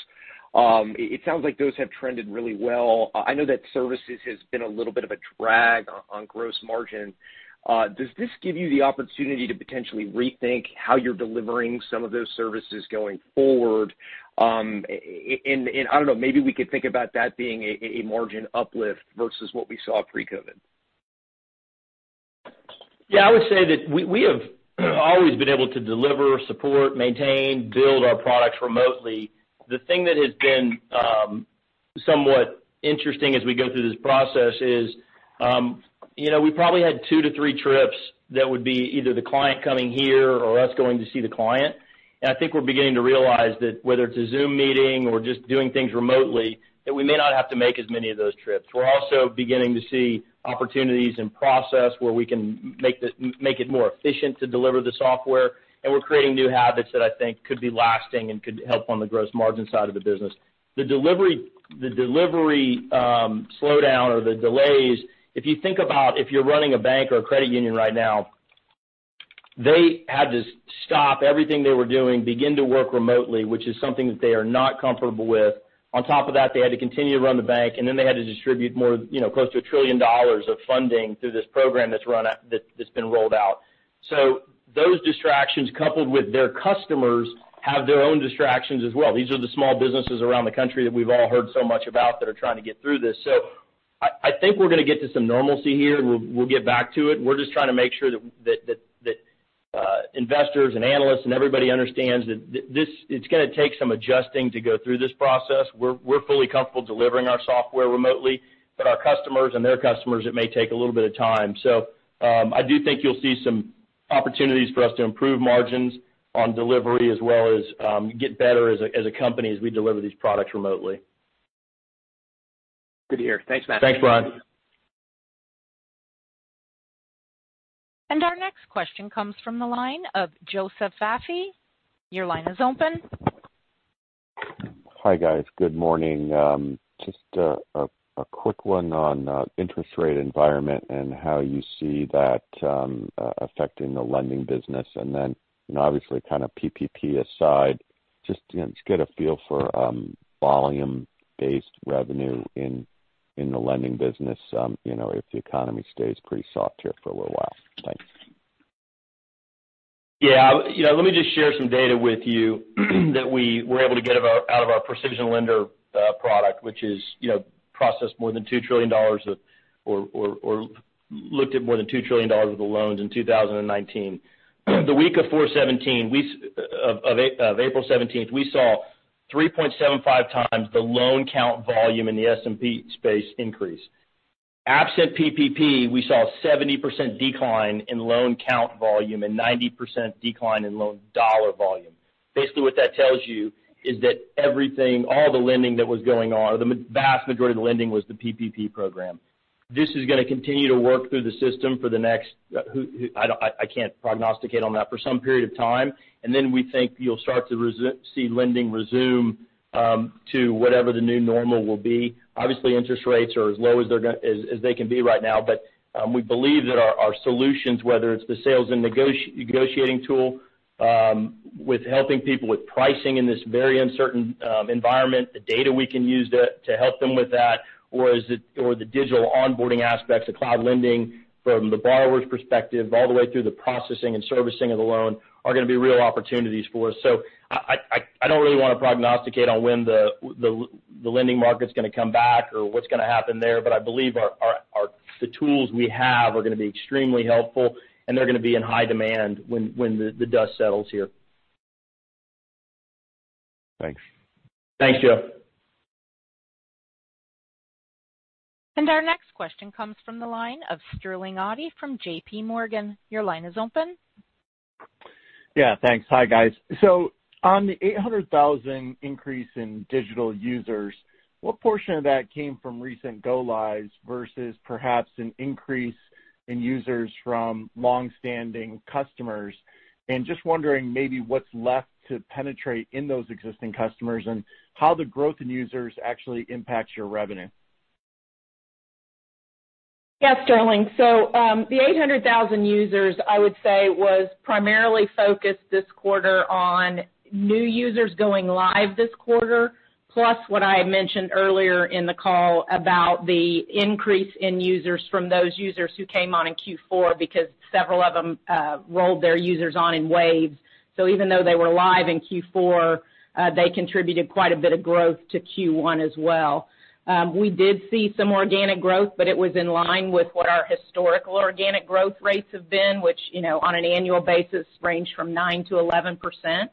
it sounds like those have trended really well. I know that services has been a little bit of a drag on gross margin. Does this give you the opportunity to potentially rethink how you're delivering some of those services going forward? And.. I don't know, maybe we could think about that being a margin uplift versus what we saw pre-COVID. Yeah. I would say that we have always been able to deliver, support, maintain, build our products remotely. The thing that has been somewhat interesting as we go through this process is we probably had two to three trips that would be either the client coming here or us going to see the client. I think we're beginning to realize that whether it's a Zoom meeting or just doing things remotely, that we may not have to make as many of those trips. We're also beginning to see opportunities in process where we can make it more efficient to deliver the software, and we're creating new habits that I think could be lasting and could help on the gross margin side of the business. The delivery slowdown or the delays, if you think about if you're running a bank or a credit union right now, they had to stop everything they were doing, begin to work remotely, which is something that they are not comfortable with. On top of that, they had to continue to run the bank, then they had to distribute close to $1 trillion of funding through this program that's been rolled out. Those distractions, coupled with their customers have their own distractions as well. These are the small businesses around the country that we've all heard so much about that are trying to get through this. I think we're going to get to some normalcy here. We'll get back to it. We're just trying to make sure that investors and analysts and everybody understands that it's going to take some adjusting to go through this process. We're-- we're fully comfortable delivering our software remotely, but our customers and their customers, it may take a little bit of time. I do think you'll see some opportunities for us to improve margins on delivery as well as get better as a company as we deliver these products remotely. Good to hear. Thanks, Matt. Thanks, Brian. Our next question comes from the line of Joseph Vafi. Your line is open. Hi, guys. Good morning. Just a quick one on interest rate environment and how you see that affecting the lending business. Obviously, kind of PPP aside, just to get a feel for volume-based revenue in the lending business if the economy stays pretty soft here for a little while. Thanks. Let me just share some data with you that we were able to get out of our PrecisionLender product, which processed more than $2 trillion of, or looked at more than $2 trillion of the loans in 2019. The week of April 17, of April 17th, we saw 3.75x the loan count volume in the PPP space increase. Absent PPP, we saw a 70% decline in loan count volume and 90% decline in loan dollar volume. What that tells you is that everything, all the lending that was going on, or the vast majority of the lending was the PPP program. This is going to continue to work through the system. I can't prognosticate on that, for some period of time. We think you'll start to see lending resume to whatever the new normal will be. Obviously, interest rates are as low as they can be right now. We believe that our solutions, whether it's the sales and negotiating tool with helping people with pricing in this very uncertain environment, the data we can use to help them with that, or the digital onboarding aspects of cloud lending from the borrower's perspective, all the way through the processing and servicing of the loan, are going to be real opportunities for us. I don't really want to prognosticate on when the lending market's going to come back or what's going to happen there, but I believe the tools we have are going to be extremely helpful, and they're going to be in high demand when the dust settles here. Thanks. Thanks, Joe. Our next question comes from the line of Sterling Auty from JPMorgan. Your line is open. Yeah, thanks. Hi, guys. On the 800,000 increase in digital users, what portion of that came from recent go-lives versus perhaps an increase in users from longstanding customers? Just wondering maybe what's left to penetrate in those existing customers and how the growth in users actually impacts your revenue. Yes, Sterling. The 800,000 users, I would say, was primarily focused this quarter on new users going live this quarter, plus what I had mentioned earlier in the call about the increase in users from those users who came on in Q4 because several of them rolled their users on in waves. Even though they were live in Q4, they contributed quite a bit of growth to Q1 as well. We did see some organic growth, but it was in line with what our historical organic growth rates have been, which on an annual basis range from 9%-11%.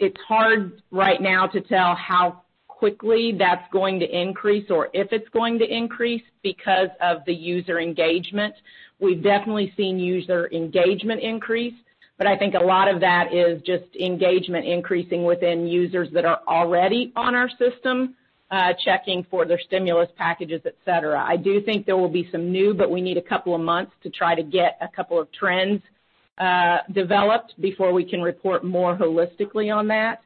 It's hard right now to tell how quickly that's going to increase or if it's going to increase because of the user engagement. We've definitely seen user engagement increase, but I think a lot of that is just engagement increasing within users that are already on our system checking for their stimulus packages, et cetera. I do think there will be some new, but we need a couple of months to try to get a couple of trends developed before we can report more holistically on that.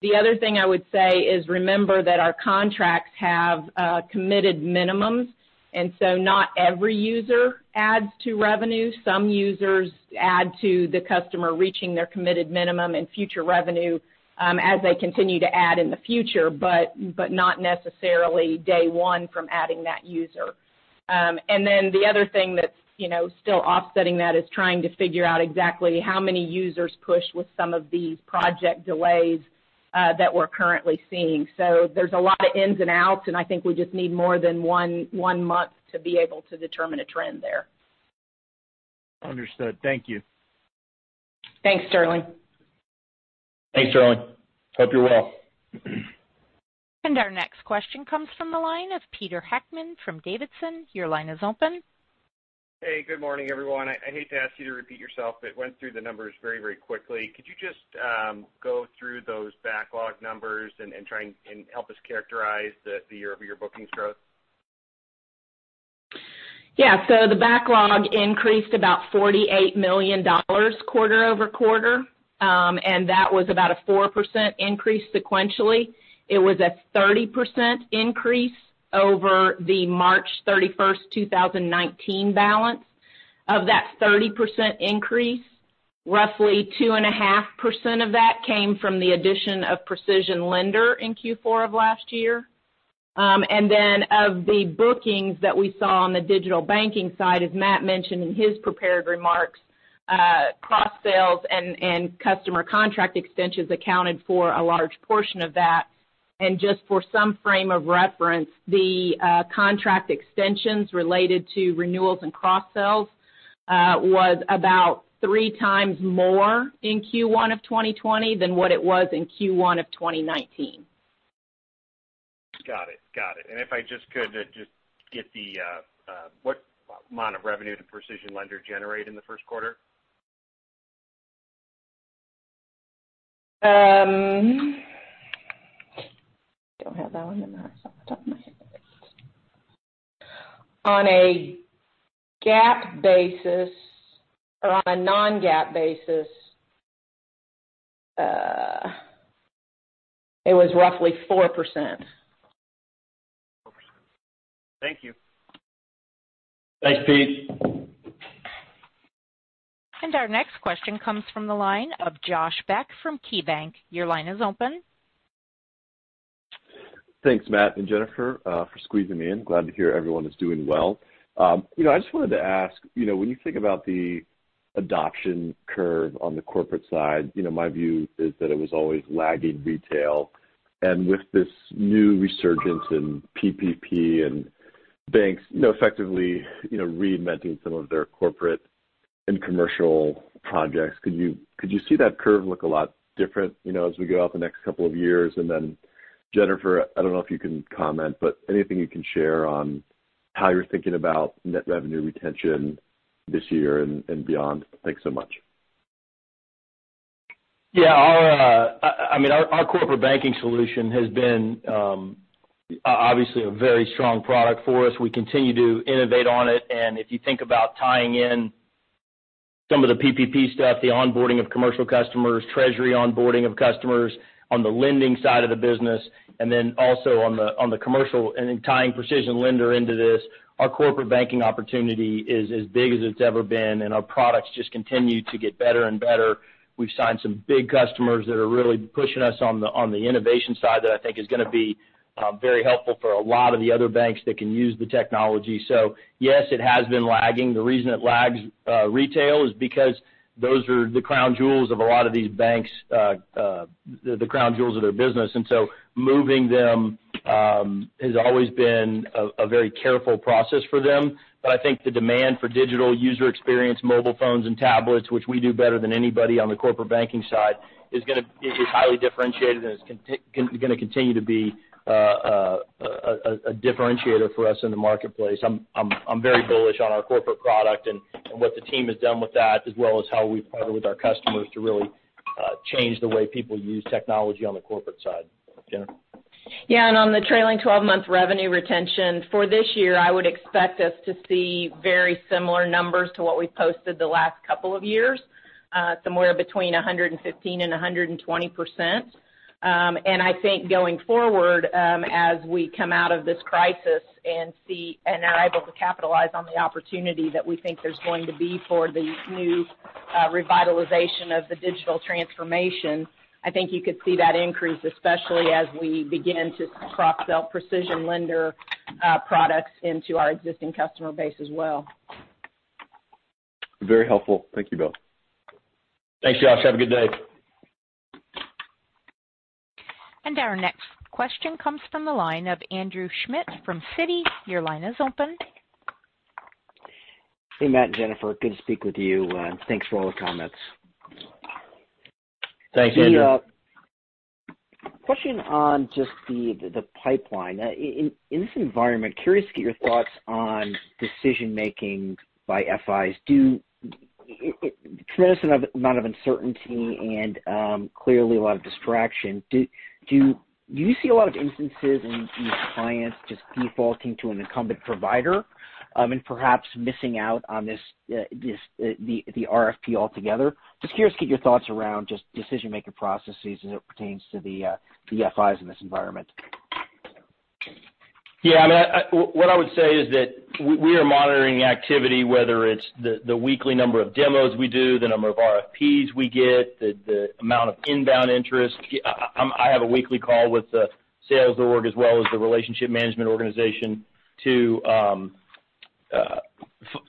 The other thing I would say is remember that our contracts have committed minimums, and so not every user adds to revenue. Some users add to the customer reaching their committed minimum and future revenue as they continue to add in the future, but not necessarily day one from adding that user. The other thing that's, you know, still offsetting that is trying to figure out exactly how many users push with some of these project delays that we're currently seeing. There's a lot of ins and outs, and I think we just need more than one month to be able to determine a trend there. Understood. Thank you. Thanks, Sterling. Thanks, Sterling. Hope you're well. Our next question comes from the line of Peter Heckmann from Davidson. Your line is open. Hey, good morning, everyone. I hate to ask you to repeat yourself. It went through the numbers very quickly. Could you just go through those backlog numbers and help us characterize the year-over-year bookings growth? Yeah. The backlog increased about $48 million quarter-over-quarter. That was about a 4% increase sequentially. It was a 30% increase over the March 31st, 2019 balance. Of that 30% increase, roughly 2.5% of that came from the addition of PrecisionLender in Q4 of last year. Of the bookings that we saw on the digital banking side, as Matt mentioned in his prepared remarks, cross-sales and customer contract extensions accounted for a large portion of that. Just for some frame of reference, the contract extensions related to renewals and cross-sales was about 3x more in Q1 of 2020 than what it was in Q1 of 2019. Got it, got it. If I just could get what amount of revenue did PrecisionLender generate in the first quarter? I don't have that one in the top of my head. On a GAAP basis or on a non-GAAP basis, it was roughly 4%. 4%. Thank you. Thanks, Pete. Our next question comes from the line of Josh Beck from KeyBanc. Your line is open. Thanks, Matt and Jennifer, for squeezing me in. Glad to hear everyone is doing well. I just wanted to ask, when you think about the adoption curve on the corporate side, my view is that it was always lagging retail. With this new resurgence in PPP and banks effectively reinventing some of their corporate and commercial projects, could you see that curve look a lot different as we go out the next couple of years? Jennifer, I don't know if you can comment, but anything you can share on how you're thinking about net revenue retention this year and beyond. Thanks so much. Yeah. Our corporate banking solution has been obviously a very strong product for us. We continue to innovate on it. If you think about tying in some of the PPP stuff, the onboarding of commercial customers, treasury onboarding of customers on the lending side of the business, and then also on the commercial and then tying PrecisionLender into this, our corporate banking opportunity is as big as it's ever been, and our products just continue to get better and better. We've signed some big customers that are really pushing us on the innovation side that I think is going to be very helpful for a lot of the other banks that can use the technology. Yes, it has been lagging. The reason it lags retail is because those are the crown jewels of a lot of these banks, the crown jewels of their business. Moving them has always been a very careful process for them. I think the demand for digital user experience, mobile phones and tablets, which we do better than anybody on the corporate banking side, is highly differentiated and is going to continue to be a differentiator for us in the marketplace. I'm very bullish on our corporate product and what the team has done with that, as well as how we partner with our customers to really change the way people use technology on the corporate side. Jennifer. Yeah, on the trailing 12-month revenue retention for this year, I would expect us to see very similar numbers to what we've posted the last couple of years, somewhere between 115%-120%. I think going forward, as we come out of this crisis and are able to capitalize on the opportunity that we think there's going to be for the new revitalization of the digital transformation, I think you could see that increase, especially as we begin to cross-sell PrecisionLender products into our existing customer base as well. Very helpful. Thank you both. Thanks, Josh. Have a good day. Our next question comes from the line of Andrew Schmidt from Citi. Your line is open. Hey, Matt and Jennifer, good to speak with you, and thanks for all the comments. Thanks, Andrew. Question on just the pipeline. In this environment, curious to get your thoughts on decision-making by FIs. Tremendous amount of uncertainty and clearly a lot of distraction. Do you see a lot of instances in clients just defaulting to an incumbent provider and perhaps missing out on the RFP altogether? Just curious to get your thoughts around just decision-making processes as it pertains to the FIs in this environment. What I would say is that we are monitoring activity, whether it's the weekly number of demos we do, the number of RFPs we get, the amount of inbound interest. I have a weekly call with the sales org as well as the relationship management organization to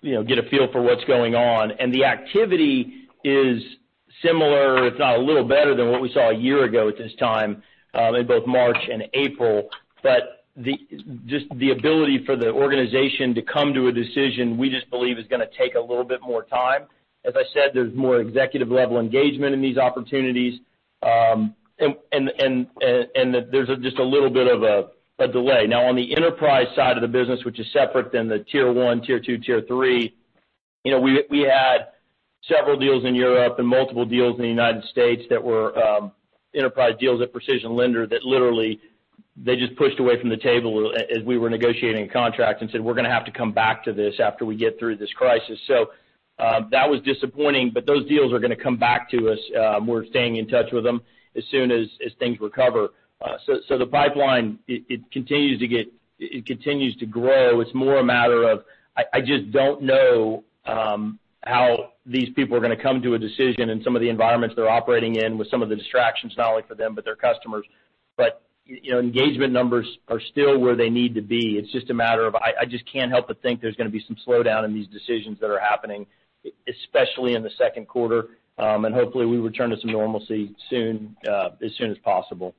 get a feel for what's going on. The activity is similar, if not a little better than what we saw a year ago at this time in both March and April. Just the ability for the organization to come to a decision, we just believe is going to take a little bit more time. As I said, there's more executive-level engagement in these opportunities. There's just a little bit of a delay. On the enterprise side of the business, which is separate than the tier 1, tier 2, tier 3, we had several deals in Europe and multiple deals in the U.S. that were enterprise deals at PrecisionLender that literally they just pushed away from the table as we were negotiating a contract and said, "We're going to have to come back to this after we get through this crisis." That was disappointing, but those deals are going to come back to us. We're staying in touch with them as soon as things recover. The pipeline, it continues to grow. It's more a matter of, I just don't know how these people are going to come to a decision in some of the environments they're operating in with some of the distractions, not only for them, but their customers. But, you know, engagement numbers are still where they need to be. It's just a matter of, I just can't help but think there's going to be some slowdown in these decisions that are happening, especially in the second quarter. Hopefully, we return to some normalcy as soon as possible.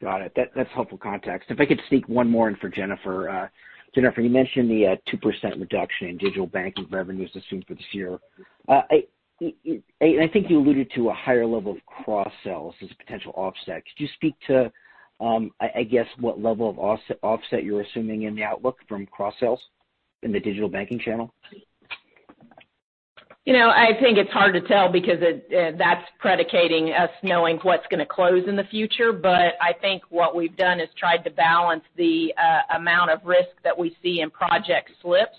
Got it. That's helpful context. If I could sneak one more in for Jennifer. Jennifer, you mentioned the 2% reduction in digital banking revenues assumed for this year. I think you alluded to a higher level of cross-sells as a potential offset. Could you speak to, I guess, what level of offset you're assuming in the outlook from cross-sells in the digital banking channel? I think it's hard to tell because that's predicating us knowing what's going to close in the future. But I think what we've done is tried to balance the amount of risk that we see in project slips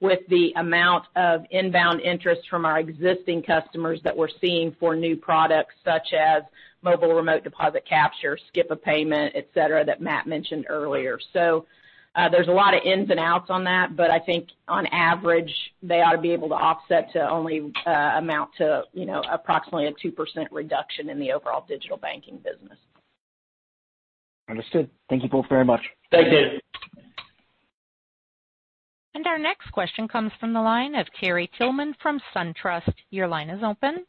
with the amount of inbound interest from our existing customers that we're seeing for new products such as mobile remote deposit capture, skip-a-payment, et cetera, that Matt mentioned earlier. There's a lot of ins and outs on that, but I think on average, they ought to be able to offset to only amount to approximately a 2% reduction in the overall digital banking business. Understood. Thank you both very much. Thank you. Our next question comes from the line of Terry Tillman from SunTrust. Your line is open.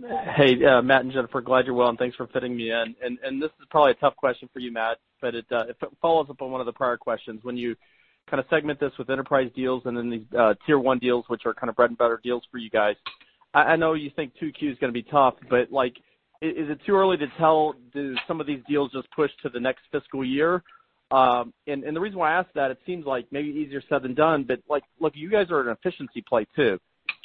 Hey, Matt and Jennifer, glad you're well, thanks for fitting me in. This is probably a tough question for you, Matt, but it follows up on one of the prior questions. When you kind of segment this with enterprise deals and then these tier 1 deals, which are kind of bread and butter deals for you guys, I know you think 2Q is going to be tough, but is it too early to tell, do some of these deals just push to the next fiscal year? The reason why I ask that, it seems like maybe easier said than done, but look, you guys are in an efficiency play too.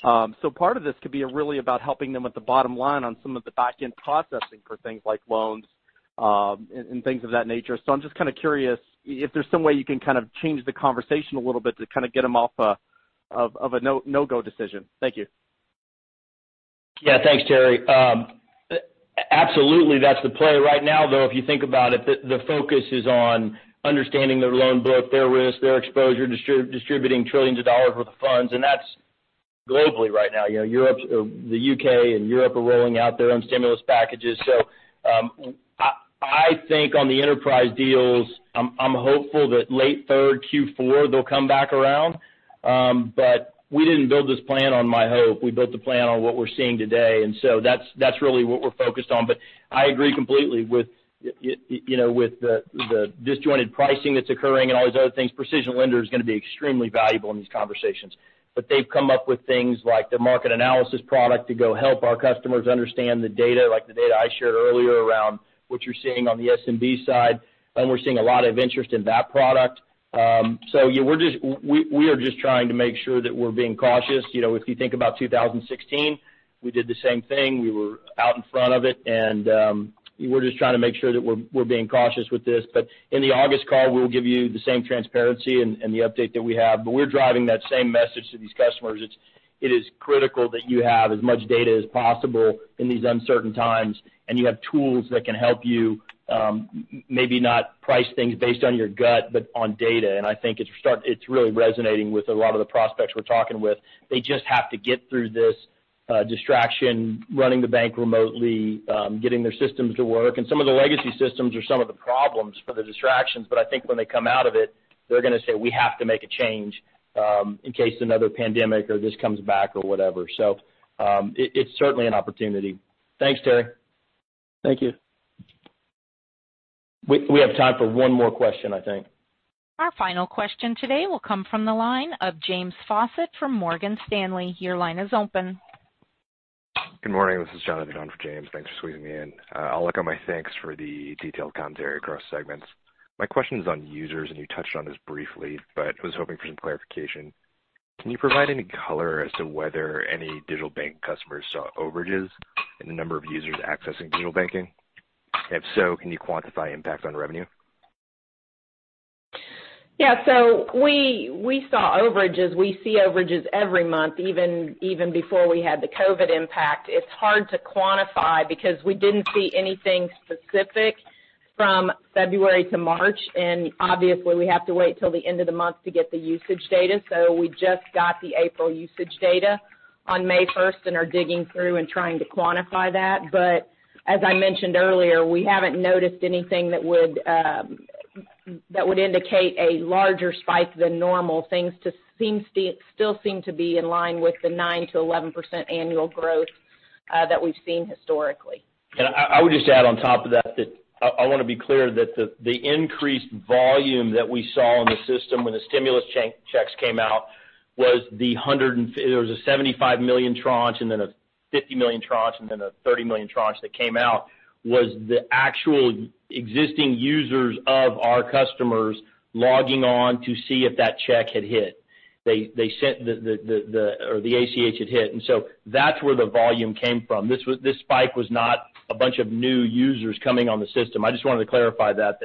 Part of this could be really about helping them with the bottom line on some of the back-end processing for things like loans and things of that nature. I'm just kind of curious if there's some way you can kind of change the conversation a little bit to kind of get them off of a no-go decision. Thank you. Yeah. Thanks, Terry. Absolutely, that's the play right now, though. If you think about it, the focus is on understanding their loan book, their risk, their exposure, distributing trillions of dollars worth of funds, and that's globally right now. The U.K. and Europe are rolling out their own stimulus packages. I think on the enterprise deals, I'm hopeful that late third, Q4, they'll come back around. We didn't build this plan on my hope. We built the plan on what we're seeing today, that's really what we're focused on. I agree completely with the disjointed pricing that's occurring and all these other things. PrecisionLender is going to be extremely valuable in these conversations. They've come up with things like the market analysis product to go help our customers understand the data, like the data I shared earlier around what you're seeing on the SMB side, and we're seeing a lot of interest in that product. We are just trying to make sure that we're being cautious. If you think about 2016, we did the same thing. We were out in front of it, and we're just trying to make sure that we're being cautious with this. In the August call, we'll give you the same transparency and the update that we have. We're driving that same message to these customers. It is critical that you have as much data as possible in these uncertain times, and you have tools that can help you maybe not price things based on your gut, but on data. I think it's really resonating with a lot of the prospects we're talking with. They just have to get through this distraction, running the bank remotely, getting their systems to work. Some of the legacy systems are some of the problems for the distractions. I think when they come out of it, they're going to say, "We have to make a change in case another pandemic or this comes back or whatever". It's certainly an opportunity. Thanks, Terry. Thank you. We have time for one more question, I think. Our final question today will come from the line of James Faucette from Morgan Stanley. Your line is open. Good morning. This is Jonathan on for James. Thanks for squeezing me in. I'll echo my thanks for the detailed commentary across segments. My question is on users, and you touched on this briefly, but was hoping for some clarification. Can you provide any color as to whether any digital bank customers saw overages in the number of users accessing digital banking? If so, can you quantify impact on revenue? Yeah. So, we.. We saw overages. We see overages every month, even before we had the COVID impact. It's hard to quantify because we didn't see anything specific from February to March, and obviously, we have to wait till the end of the month to get the usage data. We just got the April usage data on May 1st and are digging through and trying to quantify that. As I mentioned earlier, we haven't noticed anything that would indicate a larger spike than normal. Things still seem to be in line with the 9%-11% annual growth that we've seen historically. I would just add on top of that, I want to be clear that the increased volume that we saw in the system when the stimulus checks came out, there was a $75 million tranche and then a $50 million tranche and then a $30 million tranche that came out, was the actual existing users of our customers logging on to see if that check had hit, or the ACH had hit. That's where the volume came from. This spike was not a bunch of new users coming on the system. I just wanted to clarify that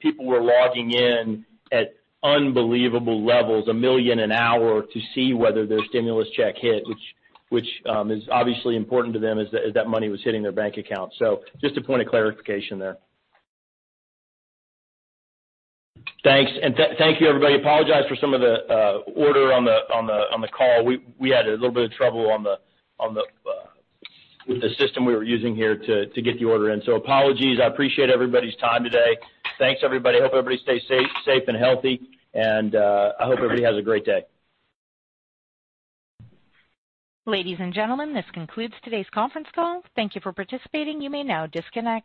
people were logging in at unbelievable levels, 1 million an hour, to see whether their stimulus check hit, which is obviously important to them as that money was hitting their bank account. Just a point of clarification there. Thanks. Thank you, everybody. Apologize for some of the order on the call. We had a little bit of trouble with the system we were using here to get the order in. Apologies. I appreciate everybody's time today. Thanks, everybody. Hope everybody stays safe and healthy. I hope everybody has a great day. Ladies and gentlemen, this concludes today's conference call. Thank you for participating. You may now disconnect.